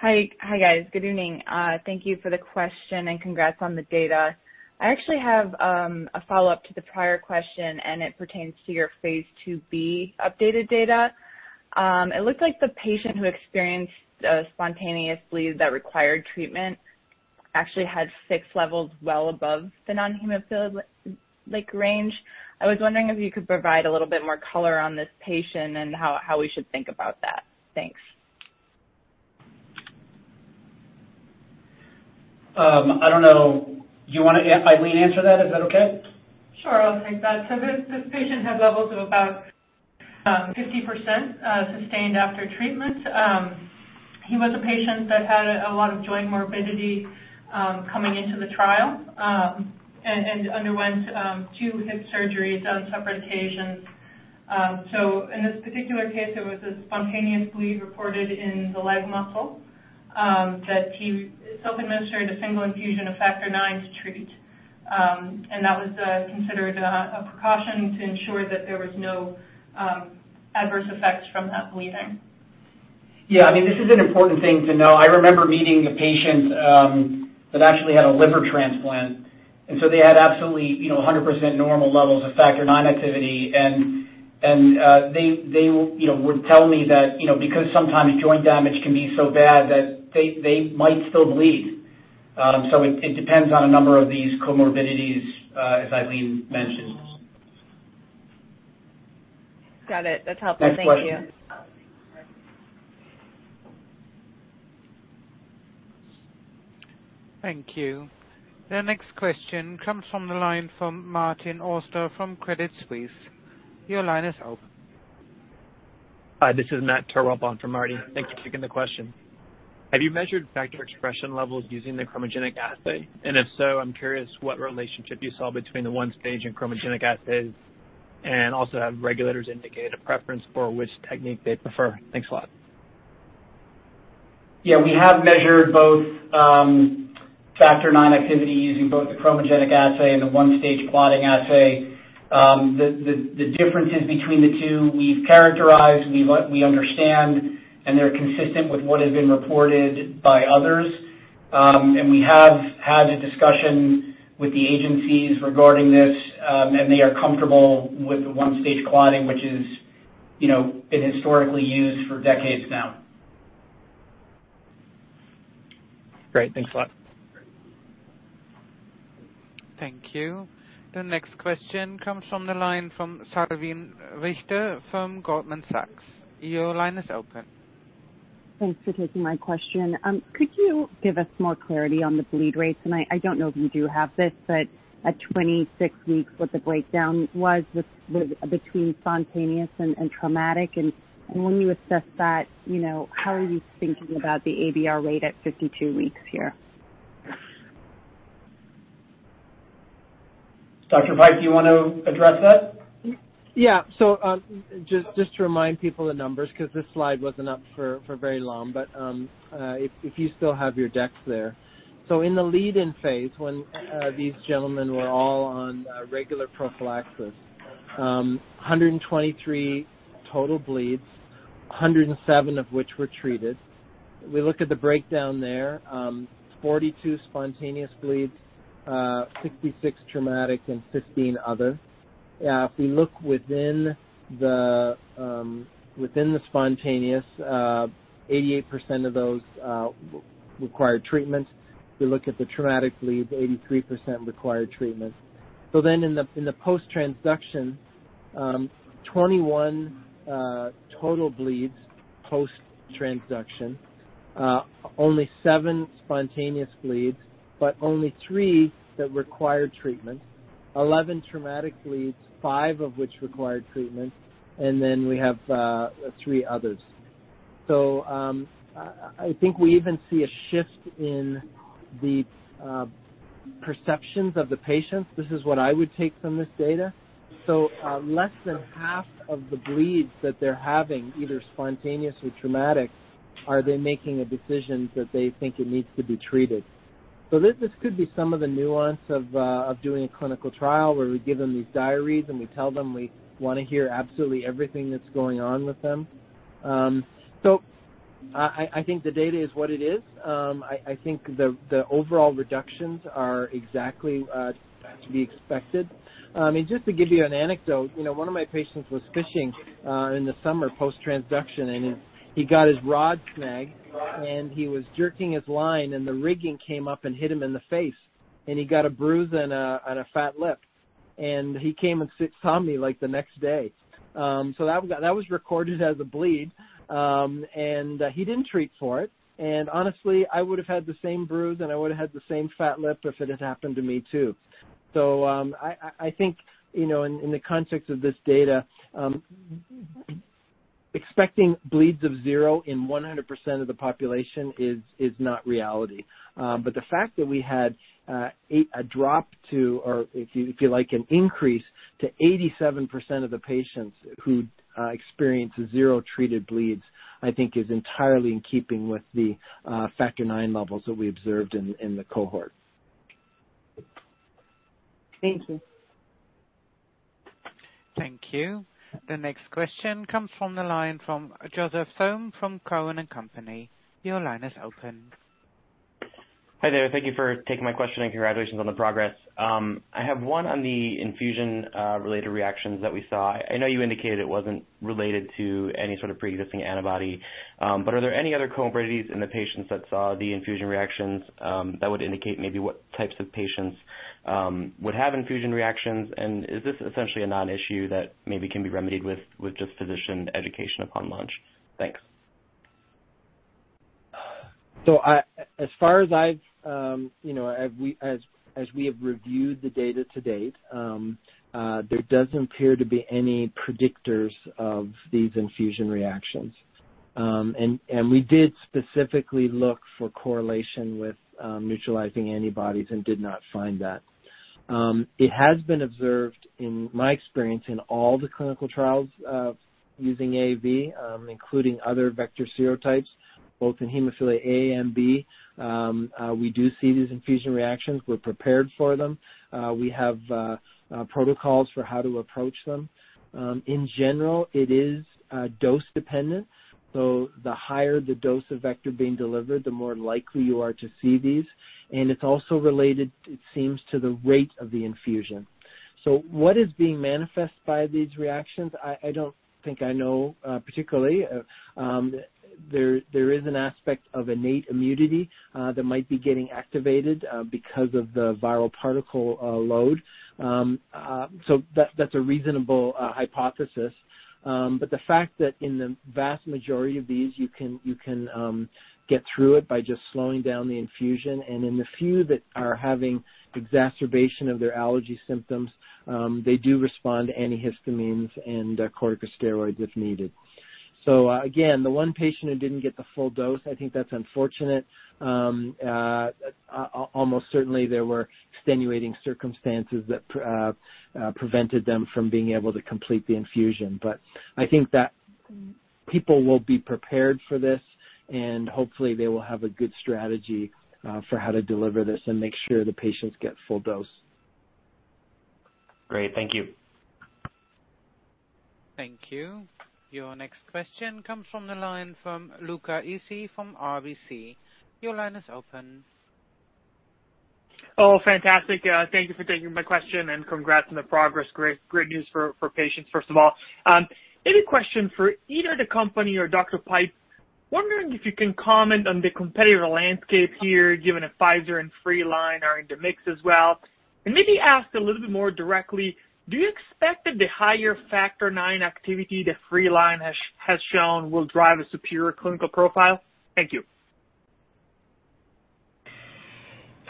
[SPEAKER 11] Hi, guys. Good evening. Thank you for the question and congrats on the data. I actually have a follow-up to the prior question, and it pertains to your phase IIb updated data. It looked like the patient who experienced a spontaneous bleed that required treatment actually had FIX levels well above the non-hemophilic range. I was wondering if you could provide a little bit more color on this patient and how we should think about that. Thanks.
[SPEAKER 3] I don't know. Do you want Eileen Sawyer answer that? Is that okay?
[SPEAKER 12] Sure, I'll take that. This patient had levels of about 50% sustained after treatment. He was a patient that had a lot of joint morbidity coming into the trial and underwent two hip surgeries on separate occasions. In this particular case, it was a spontaneous bleed reported in the leg muscle that he self-administered a single infusion of Factor IX to treat. That was considered a precaution to ensure that there was no adverse effects from that bleeding.
[SPEAKER 3] Yeah. This is an important thing to know. I remember meeting a patient that actually had a liver transplant, they had absolutely 100% normal levels of Factor IX activity. They would tell me that because sometimes joint damage can be so bad that they might still bleed. It depends on a number of these comorbidities, as Eileen mentioned.
[SPEAKER 11] Got it. That's helpful. Thank you.
[SPEAKER 3] Next question.
[SPEAKER 1] Thank you. The next question comes from the line from Martin Auster from Credit Suisse. Your line is open.
[SPEAKER 13] Hi, this is Matt [Turropp] on from Marty. Thanks for taking the question. Have you measured factor expression levels using the chromogenic assay? If so, I'm curious what relationship you saw between the one-stage and chromogenic assays, and also have regulators indicated a preference for which technique they prefer? Thanks a lot.
[SPEAKER 3] Yeah, we have measured both Factor IX activity using both the chromogenic assay and the one-stage clotting assay. The differences between the two we've characterized, we understand, and they're consistent with what has been reported by others. We have had a discussion with the agencies regarding this, and they are comfortable with the one-stage clotting, which has been historically used for decades now.
[SPEAKER 13] Great. Thanks a lot.
[SPEAKER 1] Thank you. The next question comes from the line from Salveen Richter from Goldman Sachs. Your line is open.
[SPEAKER 14] Thanks for taking my question. Could you give us more clarity on the bleed rates? I don't know if you do have this, but at 26 weeks, what the breakdown was between spontaneous and traumatic and when you assess that, how are you thinking about the ABR rate at 52 weeks here?
[SPEAKER 3] Dr. Steven Pipe, do you want to address that?
[SPEAKER 5] Yeah. Just to remind people the numbers, because this slide wasn't up for very long. If you still have your decks there. In the lead-in phase, when these gentlemen were all on regular prophylaxis, 123 total bleeds, 107 of which were treated. We look at the breakdown there. 42 spontaneous bleeds, 66 traumatic, and 15 others. If we look within the spontaneous, 88% of those required treatment. If we look at the traumatic bleeds, 83% required treatment. Then, in the post-transduction, 21 total bleeds post-transduction. Only seven spontaneous bleeds, but only three that required treatment. 11 traumatic bleeds, five of which required treatment and then we have three others. I think we even see a shift in the perceptions of the patients. This is what I would take from this data. Less than half of the bleeds that they're having, either spontaneous or traumatic, are they making a decision that they think it needs to be treated. This could be some of the nuance of doing a clinical trial where we give them these diaries and we tell them we want to hear absolutely everything that's going on with them. I think the data is what it is. I think the overall reductions are exactly to be expected. Just to give you an anecdote, one of my patients was fishing in the summer post-transduction, and he got his rod snagged and he was jerking his line and the rigging came up and hit him in the face, and he got a bruise and a fat lip. He came and saw me the next day. That was recorded as a bleed and he didn't treat for it. Honestly, I would've had the same bruise and I would've had the same fat lip if it had happened to me, too. I think, in the context of this data, expecting bleeds of zero in 100% of the population is not reality. The fact that we had a drop to, or if you like, an increase to 87% of the patients who experienced zero treated bleeds, I think is entirely in keeping with the Factor IX levels that we observed in the cohort.
[SPEAKER 14] Thank you.
[SPEAKER 1] Thank you. The next question comes from the line from Joseph Thome from Cowen and Company. Your line is open.
[SPEAKER 15] Hi there. Thank you for taking my question and congratulations on the progress. I have one on the infusion-related reactions that we saw. I know you indicated it wasn't related to any sort of preexisting antibody, but are there any other comorbidities in the patients that saw the infusion reactions that would indicate maybe what types of patients would have infusion reactions? and is this essentially a non-issue that maybe can be remedied with just physician education upon launch? Thanks.
[SPEAKER 5] As far as we have reviewed the data to date, there doesn't appear to be any predictors of these infusion reactions. We did specifically look for correlation with neutralizing antibodies and did not find that. It has been observed, in my experience, in all the clinical trials using AAV including other vector serotypes, both in hemophilia A and B. We do see these infusion reactions. We're prepared for them. We have protocols for how to approach them. In general, it is dose-dependent. The higher the dose of vector being delivered, the more likely you are to see these. It's also related, it seems, to the rate of the infusion. What is being manifested by these reactions? I don't think I know, particularly. There is an aspect of innate immunity that might be getting activated because of the viral particle load. That's a reasonable hypothesis. The fact that in the vast majority of these, you can get through it by just slowing down the infusion, and in the few that are having exacerbation of their allergy symptoms, they do respond to antihistamines and corticosteroids if needed. Again, the one patient who didn't get the full dose, I think that's unfortunate. Almost certainly there were extenuating circumstances that prevented them from being able to complete the infusion. I think that people will be prepared for this, and hopefully they will have a good strategy for how to deliver this and make sure the patients get full dose.
[SPEAKER 15] Great. Thank you.
[SPEAKER 1] Thank you. Your next question comes from the line from Luca Issi from RBC. Your line is open.
[SPEAKER 16] Oh, fantastic. Thank you for taking my question, and congrats on the progress. Great news for patients, first of all. Maybe a question for either the company or Dr. Steven Pipe. Wondering if you can comment on the competitive landscape here, given that Pfizer and Freeline are in the mix as well. Maybe asked a little bit more directly, do you expect that the higher Factor IX activity that Freeline has shown will drive a superior clinical profile? Thank you.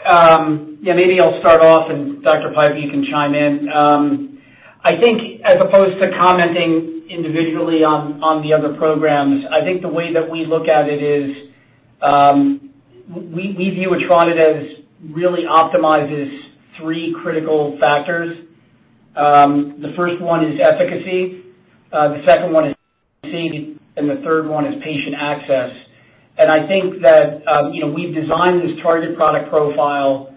[SPEAKER 3] Yeah, maybe I'll start off, and Dr. Steven Pipe, you can chime in. I think as opposed to commenting individually on the other programs, I think the way that we look at it is, we view EtranaDez really optimizes three critical factors. The first one is efficacy, the second one is safety, and the third one is patient access. I think that we've designed this target product profile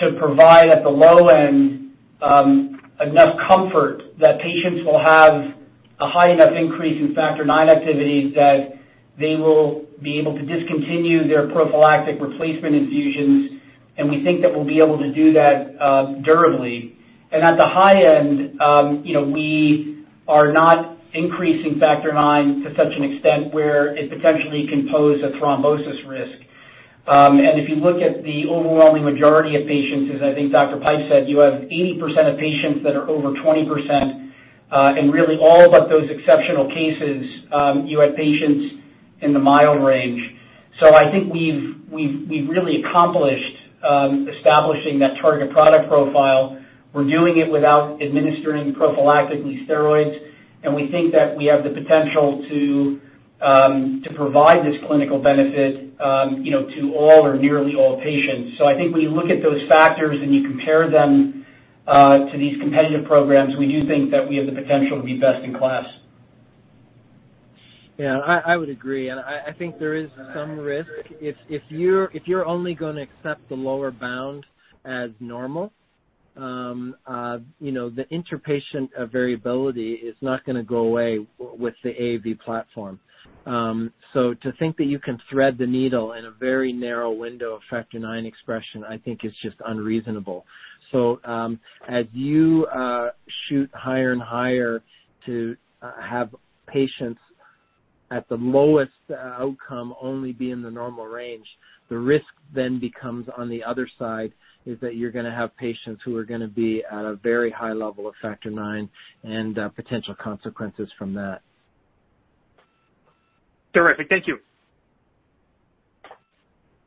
[SPEAKER 3] to provide, at the low end, enough comfort that patients will have a high enough increase in factor IX activity that they will be able to discontinue their prophylactic replacement infusions. We think that we'll be able to do that durably. At the high end, we are not increasing factor IX to such an extent where it potentially can pose a thrombosis risk. If you look at the overwhelming majority of patients, as I think Dr. Steven Pipe said, you have 80% of patients that are over 20%, and really all but those exceptional cases, you had patients in the mild range. I think we've really accomplished establishing that target product profile. We're doing it without administering prophylactically steroids, and we think that we have the potential to provide this clinical benefit to all or nearly all patients. I think when you look at those factors and you compare them to these competitive programs, we do think that we have the potential to be best in class.
[SPEAKER 5] Yeah, I would agree. I think there is some risk. If you're only going to accept the lower bound as normal, the inter-patient variability is not going to go away with the AAV platform. To think that you can thread the needle in a very narrow window of Factor IX expression, I think is just unreasonable. As you shoot higher and higher to have patients at the lowest outcome only be in the normal range, the risk then becomes on the other side, is that you're going to have patients who are going to be at a very high level of Factor IX and potential consequences from that.
[SPEAKER 16] Terrific. Thank you.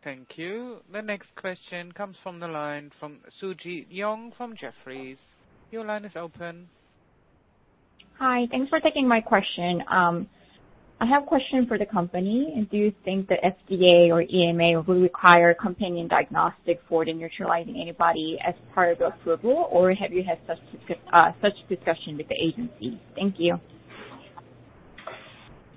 [SPEAKER 1] Thank you. The next question comes from the line from Suji Jeong from Jefferies. Your line is open.
[SPEAKER 17] Hi. Thanks for taking my question. I have a question for the company. Do you think the FDA or EMA will require companion diagnostic for the neutralizing antibody as part of approval, or have you had such discussion with the agency? Thank you.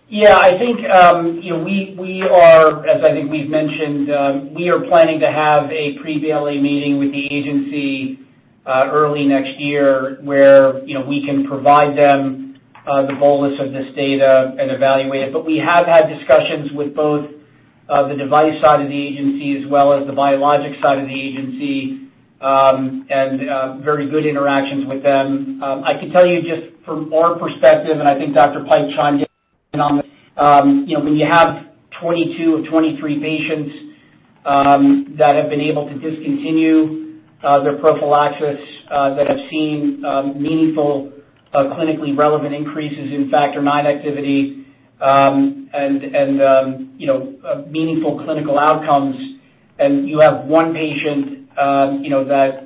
[SPEAKER 3] Yeah, I think we are, as I think we've mentioned, we are planning to have a pre-BLA meeting with the agency early next year, where we can provide them the bolus of this data and evaluate it. We have had discussions with both the device side of the agency as well as the biologic side of the agency, and very good interactions with them. I can tell you just from our perspective, and I think Dr. Steven Pipe chimed in on this. When you have 22 of 23 patients that have been able to discontinue their prophylaxis, that have seen meaningful clinically relevant increases in Factor IX activity, and meaningful clinical outcomes, and you have one patient that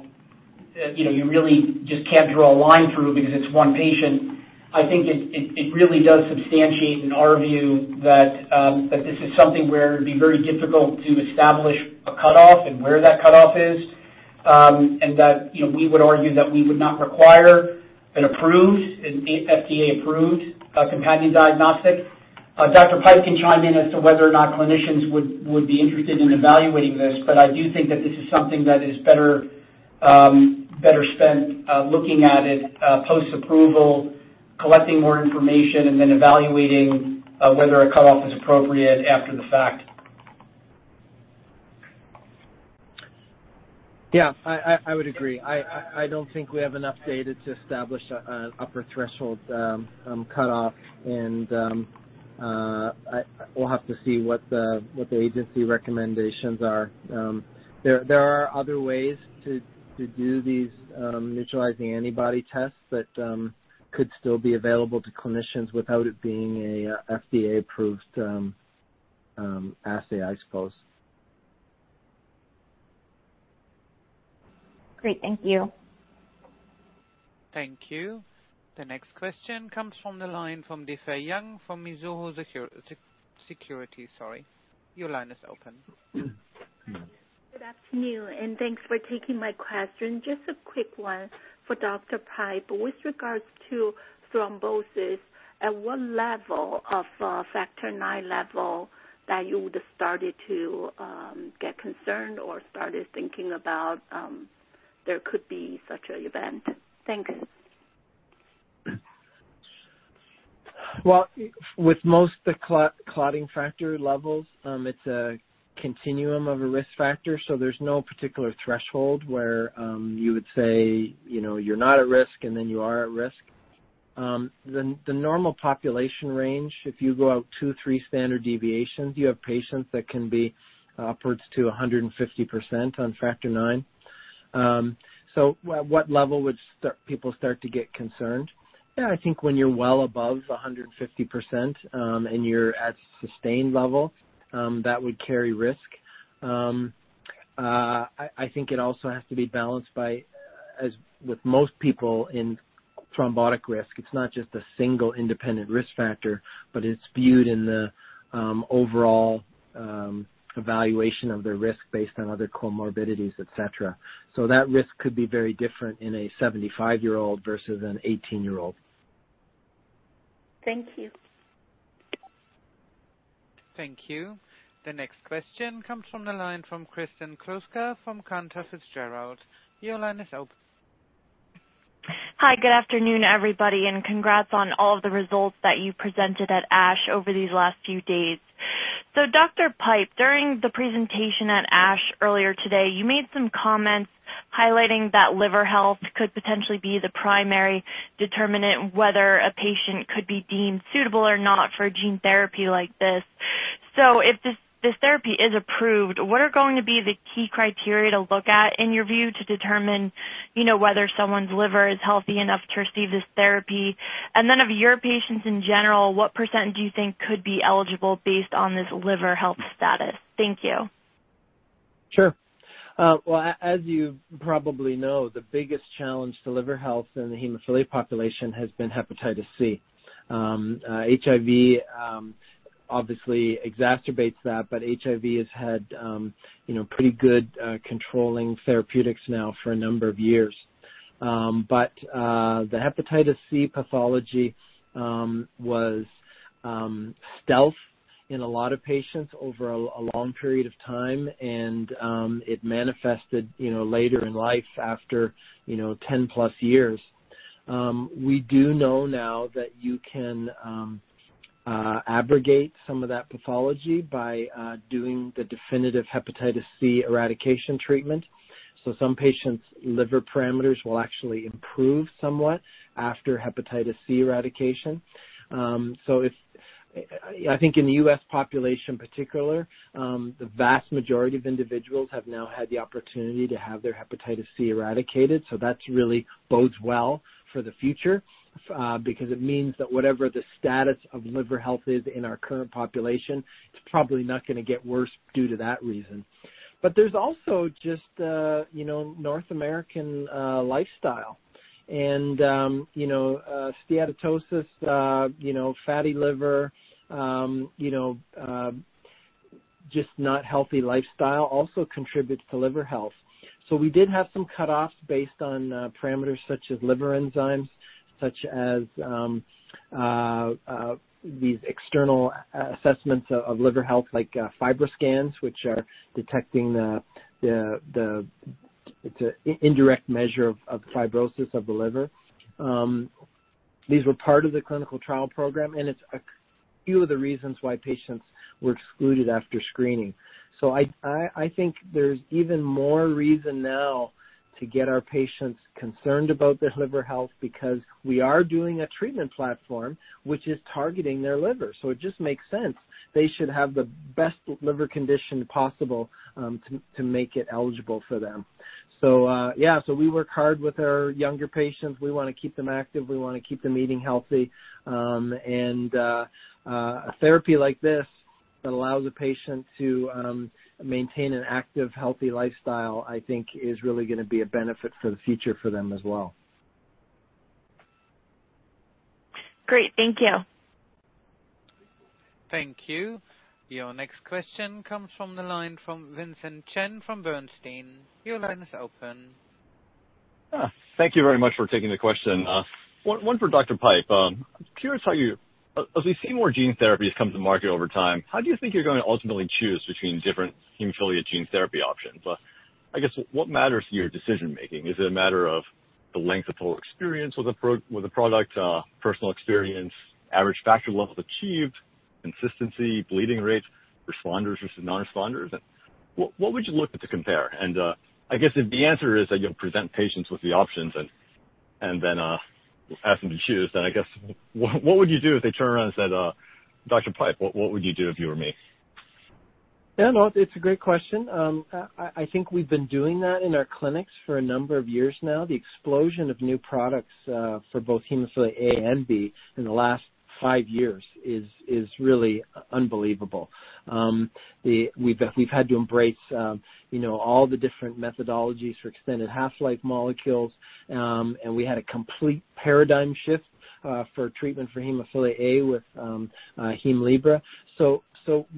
[SPEAKER 3] you really just can't draw a line through because it's one patient. I think it really does substantiate, in our view, that this is something where it'd be very difficult to establish a cutoff and where that cutoff is. That, we would argue that we would not require an FDA-approved companion diagnostic. Dr. Steven Pipe can chime in as to whether or not clinicians would be interested in evaluating this, but I do think that this is something that is better spent looking at it post-approval, collecting more information, and then evaluating whether a cutoff is appropriate after the fact.
[SPEAKER 5] Yeah. I would agree. I don't think we have enough data to establish an upper threshold cutoff. We'll have to see what the agency recommendations are. There are other ways to do these neutralizing antibody tests that could still be available to clinicians without it being a FDA-approved assay, I suppose.
[SPEAKER 17] Great. Thank you.
[SPEAKER 1] Thank you. The next question comes from the line from Difei Yang from Mizuho Securities. Your line is open.
[SPEAKER 18] Good afternoon. Thanks for taking my question. Just a quick one for Dr. Steven Pipe. With regards to thrombosis, at what level of Factor IX level that you would started to get concerned or started thinking about there could be such an event? Thanks.
[SPEAKER 5] With most the clotting factor levels, it's a continuum of a risk factor. There's no particular threshold where you would say, you're not at risk and then you are at risk. The normal population range, if you go out two, three standard deviations, you have patients that can be upwards to 150% on Factor IX. At what level would people start to get concerned? When you're well above 150%, and you're at sustained level, that would carry risk. I think it also has to be balanced by, as with most people in thrombotic risk, it's not just a single independent risk factor, but it's viewed in the overall evaluation of their risk based on other comorbidities, et cetera. That risk could be very different in a 75-year-old versus an 18-year-old.
[SPEAKER 18] Thank you.
[SPEAKER 1] Thank you. The next question comes from the line from Kristen Kluska from Cantor Fitzgerald. Your line is open.
[SPEAKER 19] Hi, good afternoon, everybody, and congrats on all of the results that you presented at ASH over these last few days. Dr. Steven Pipe, during the presentation at ASH earlier today, you made some comments highlighting that liver health could potentially be the primary determinant whether a patient could be deemed suitable or not for a gene therapy like this. If this therapy is approved, what are going to be the key criteria to look at, in your view, to determine whether someone's liver is healthy enough to receive this therapy? and then, of your patients in general, what percent do you think could be eligible based on this liver health status? Thank you.
[SPEAKER 5] Sure. Well, as you probably know, the biggest challenge to liver health in the hemophilia population has been hepatitis C. HIV obviously exacerbates that, but HIV has had pretty good controlling therapeutics now for a number of years. The hepatitis C pathology was stealth in a lot of patients over a long period of time, and it manifested later in life after 10+ years. We do know now that you can abrogate some of that pathology by doing the definitive hepatitis C eradication treatment. Some patients' liver parameters will actually improve somewhat after hepatitis C eradication. I think in the U.S. population particular, the vast majority of individuals have now had the opportunity to have their hepatitis C eradicated. That really bodes well for the future because it means that whatever the status of liver health is in our current population, it's probably not going to get worse due to that reason. There's also just North American lifestyle. Steatosis, fatty liver, just not healthy lifestyle also contributes to liver health. We did have some cutoffs based on parameters such as liver enzymes, such as these external assessments of liver health like FibroScans, which are detecting the indirect measure of fibrosis of the liver. These were part of the clinical trial program, and it's a few of the reasons why patients were excluded after screening. I think there's even more reason now to get our patients concerned about their liver health because we are doing a treatment platform which is targeting their liver. It just makes sense. They should have the best liver condition possible to make it eligible for them. Yeah. We work hard with our younger patients. We want to keep them active. We want to keep them eating healthy. A therapy like this that allows a patient to maintain an active, healthy lifestyle, I think is really going to be a benefit for the future for them as well.
[SPEAKER 19] Great. Thank you.
[SPEAKER 1] Thank you. Your next question comes from the line from Vincent Chen from Bernstein. Your line is open.
[SPEAKER 20] Thank you very much for taking the question. One for Dr. Steven Pipe. I'm curious. As we see more gene therapies come to market over time, how do you think you're going to ultimately choose between different hemophilia gene therapy options? I guess, what matters to your decision-making? Is it a matter of the length of total experience with the product, personal experience, average factor levels achieved, consistency, bleeding rates, responders versus non-responders? What would you look at to compare? I guess if the answer is that you'll present patients with the options and then ask them to choose, then I guess, what would you do if they turn around and said, "Dr. Pipe, what would you do if you were me?
[SPEAKER 5] Yeah, no, it's a great question. I think we've been doing that in our clinics for a number of years now. The explosion of new products for both hemophilia A and B in the last five years is really unbelievable. We've had to embrace all the different methodologies for extended half-life molecules. We had a complete paradigm shift for treatment for hemophilia A with HEMLIBRA.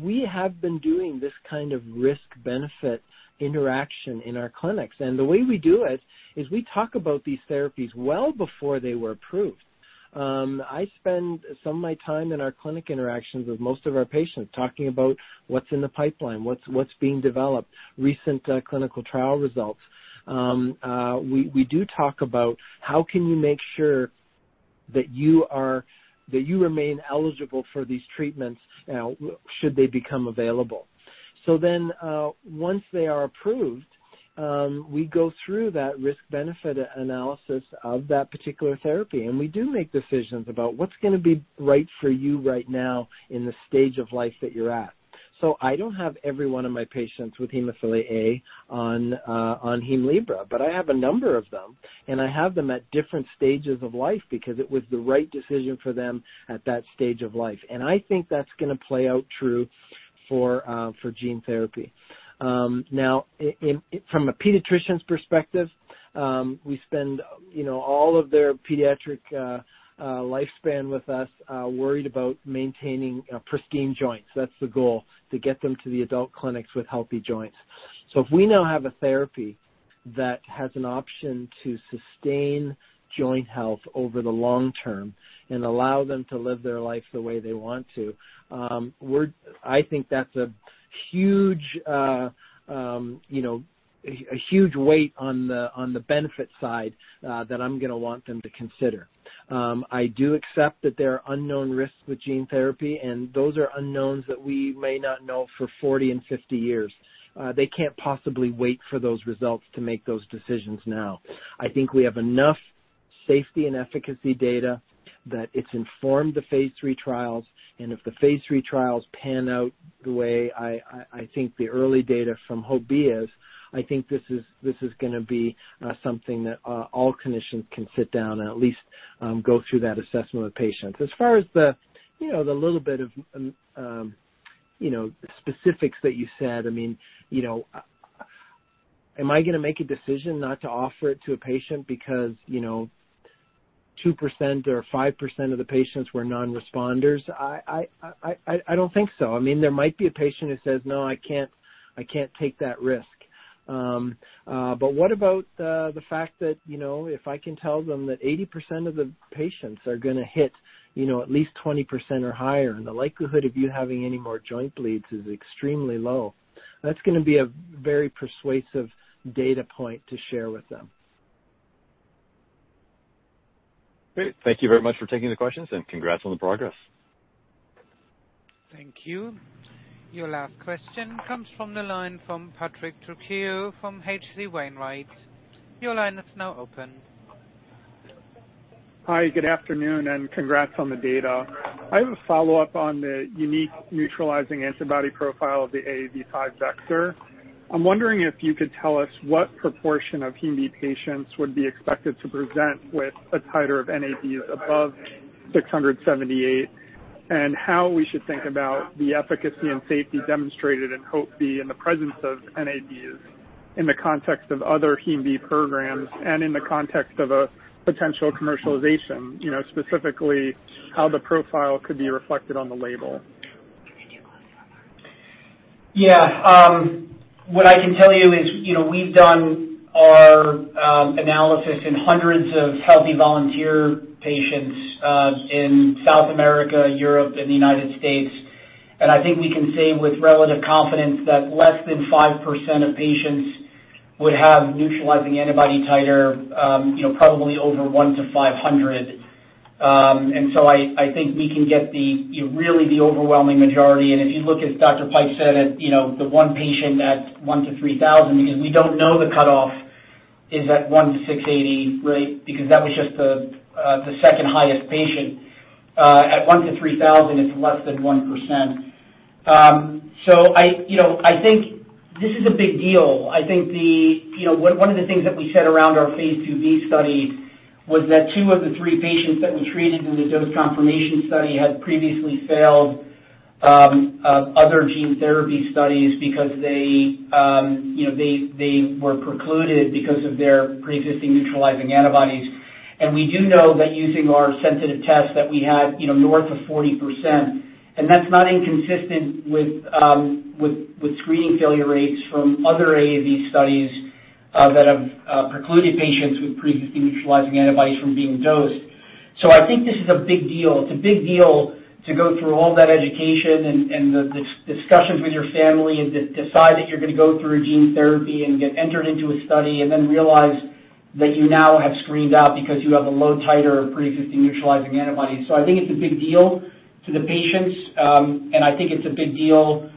[SPEAKER 5] We have been doing this kind of risk-benefit interaction in our clinics. The way we do it is we talk about these therapies well before they were approved. I spend some of my time in our clinic interactions with most of our patients, talking about what's in the pipeline, what's being developed, recent clinical trial results. We do talk about how can you make sure that you remain eligible for these treatments should they become available. Once they are approved, we go through that risk-benefit analysis of that particular therapy, and we do make decisions about what's going to be right for you right now in the stage of life that you're at. I don't have every one of my patients with hemophilia A on HEMLIBRA, but I have a number of them, and I have them at different stages of life because it was the right decision for them at that stage of life. I think that's going to play out true for gene therapy. Now, from a pediatrician's perspective, we spend all of their pediatric lifespan with us worried about maintaining pristine joints. That's the goal, to get them to the adult clinics with healthy joints. If we now have a therapy that has an option to sustain joint health over the long term and allow them to live their life the way they want to, I think that's a huge weight on the benefit side that I'm going to want them to consider. I do accept that there are unknown risks with gene therapy, and those are unknowns that we may not know for 40 and 50 years. They can't possibly wait for those results to make those decisions now. I think we have enough safety and efficacy data that it's informed the phase III trials, and if the phase III trials pan out the way I think the early data from HOPE-B is, I think this is going to be something that all clinicians can sit down and at least go through that assessment with patients. As far as the little bit of specifics that you said. Am I going to make a decision not to offer it to a patient because 2% or 5% of the patients were non-responders? I don't think so. There might be a patient who says, "No, I can't take that risk." What about the fact that if I can tell them that 80% of the patients are going to hit at least 20% or higher, and the likelihood of you having any more joint bleeds is extremely low. That's going to be a very persuasive data point to share with them.
[SPEAKER 20] Great. Thank you very much for taking the questions, and congrats on the progress.
[SPEAKER 1] Thank you. Your last question comes from the line from Patrick Trucchio from H.C. Wainwright. Your line is now open.
[SPEAKER 21] Hi, good afternoon. Congrats on the data. I have a follow-up on the uniQure neutralizing antibody profile of the AAV5 vector. I'm wondering if you could tell us what proportion of hem B patients would be expected to present with a titer of NAbs above 678, and how we should think about the efficacy and safety demonstrated in HOPE-B in the presence of NAbs in the context of other hem B programs and in the context of a potential commercialization, specifically how the profile could be reflected on the label.
[SPEAKER 3] Yeah. What I can tell you is we've done our analysis in hundreds of healthy volunteer patients in South America, Europe, and the United States. I think we can say with relative confidence that less than 5% of patients would have neutralizing antibody titer probably over one to 500. I think we can get really the overwhelming majority. If you look, as Dr. Steven Pipe said, at the one patient at one to 3,000 because we don't know the cutoff is at one to 680 really because that was just the second highest patient. At one to 3,000, it's less than 1%. I think this is a big deal. One of the things that we said around our phase IIb study Was that two of the three patients that we treated in the dose confirmation study had previously failed other gene therapy studies because they were precluded because of their preexisting neutralizing antibodies. We do know that using our sensitive test that we had north of 40%, and that's not inconsistent with screening failure rates from other AAV studies that have precluded patients with preexisting neutralizing antibodies from being dosed. I think this is a big deal. It's a big deal to go through all that education and the discussions with your family, and decide that you're going to go through gene therapy and get entered into a study, and then realize that you now have screened out because you have a low titer of preexisting neutralizing antibodies. I think it's a big deal to the patients, and I think it's a big deal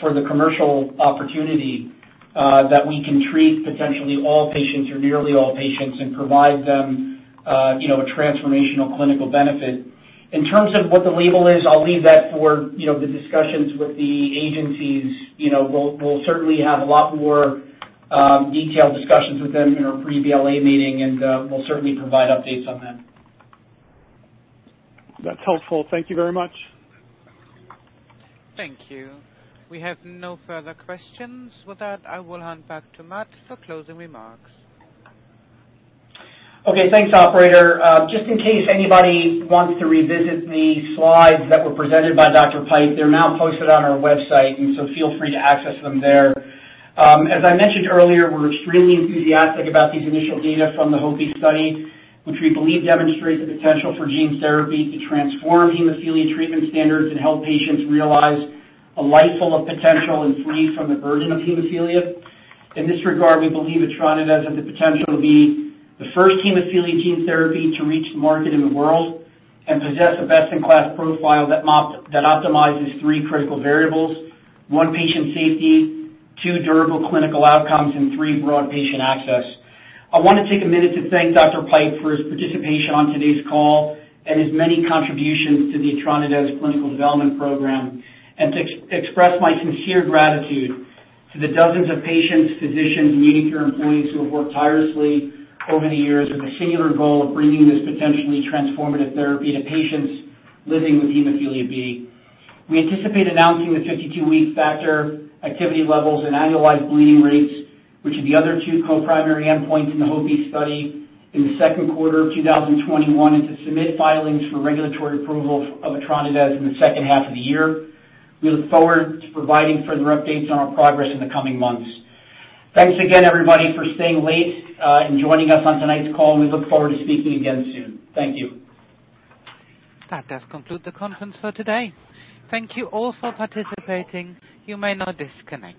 [SPEAKER 3] for the commercial opportunity that we can treat potentially all patients or nearly all patients and provide them a transformational clinical benefit. In terms of what the label is, I'll leave that for the discussions with the agencies. We'll certainly have a lot more detailed discussions with them in our pre-BLA meeting, and we'll certainly provide updates on that.
[SPEAKER 21] That's helpful. Thank you very much.
[SPEAKER 1] Thank you. We have no further questions. With that, I will hand back to Matt Kapusta for closing remarks.
[SPEAKER 3] Thanks, operator. Just in case anybody wants to revisit the slides that were presented by Dr. Steven Pipe, they're now posted on our website, and so feel free to access them there. As I mentioned earlier, we're extremely enthusiastic about these initial data from the HOPE-B study, which we believe demonstrates the potential for gene therapy to transform hemophilia treatment standards and help patients realize a life full of potential and free from the burden of hemophilia. In this regard, we believe etranacogene dezaparvovec has the potential to be the first hemophilia gene therapy to reach market in the world and possess a best-in-class profile that optimizes three critical variables: one, patient safety, two, durable clinical outcomes, and three, broad patient access. I want to take a minute to thank Dr. Steven Pipe for his participation on today's call and his many contributions to the etranacogene dezaparvovec clinical development program, and to express my sincere gratitude to the dozens of patients, physicians, and uniQure employees who have worked tirelessly over the years with a singular goal of bringing this potentially transformative therapy to patients living with hemophilia B. We anticipate announcing the 52-week factor activity levels and annualized bleeding rates, which are the other two co-primary endpoints in the HOPE-B study in the second quarter of 2021, and to submit filings for regulatory approval of etranacogene dezaparvovec in the second half of the year. We look forward to providing further updates on our progress in the coming months. Thanks again, everybody, for staying late and joining us on tonight's call. We look forward to speaking again soon. Thank you.
[SPEAKER 1] That does conclude the conference for today. Thank you all for participating. You may now disconnect.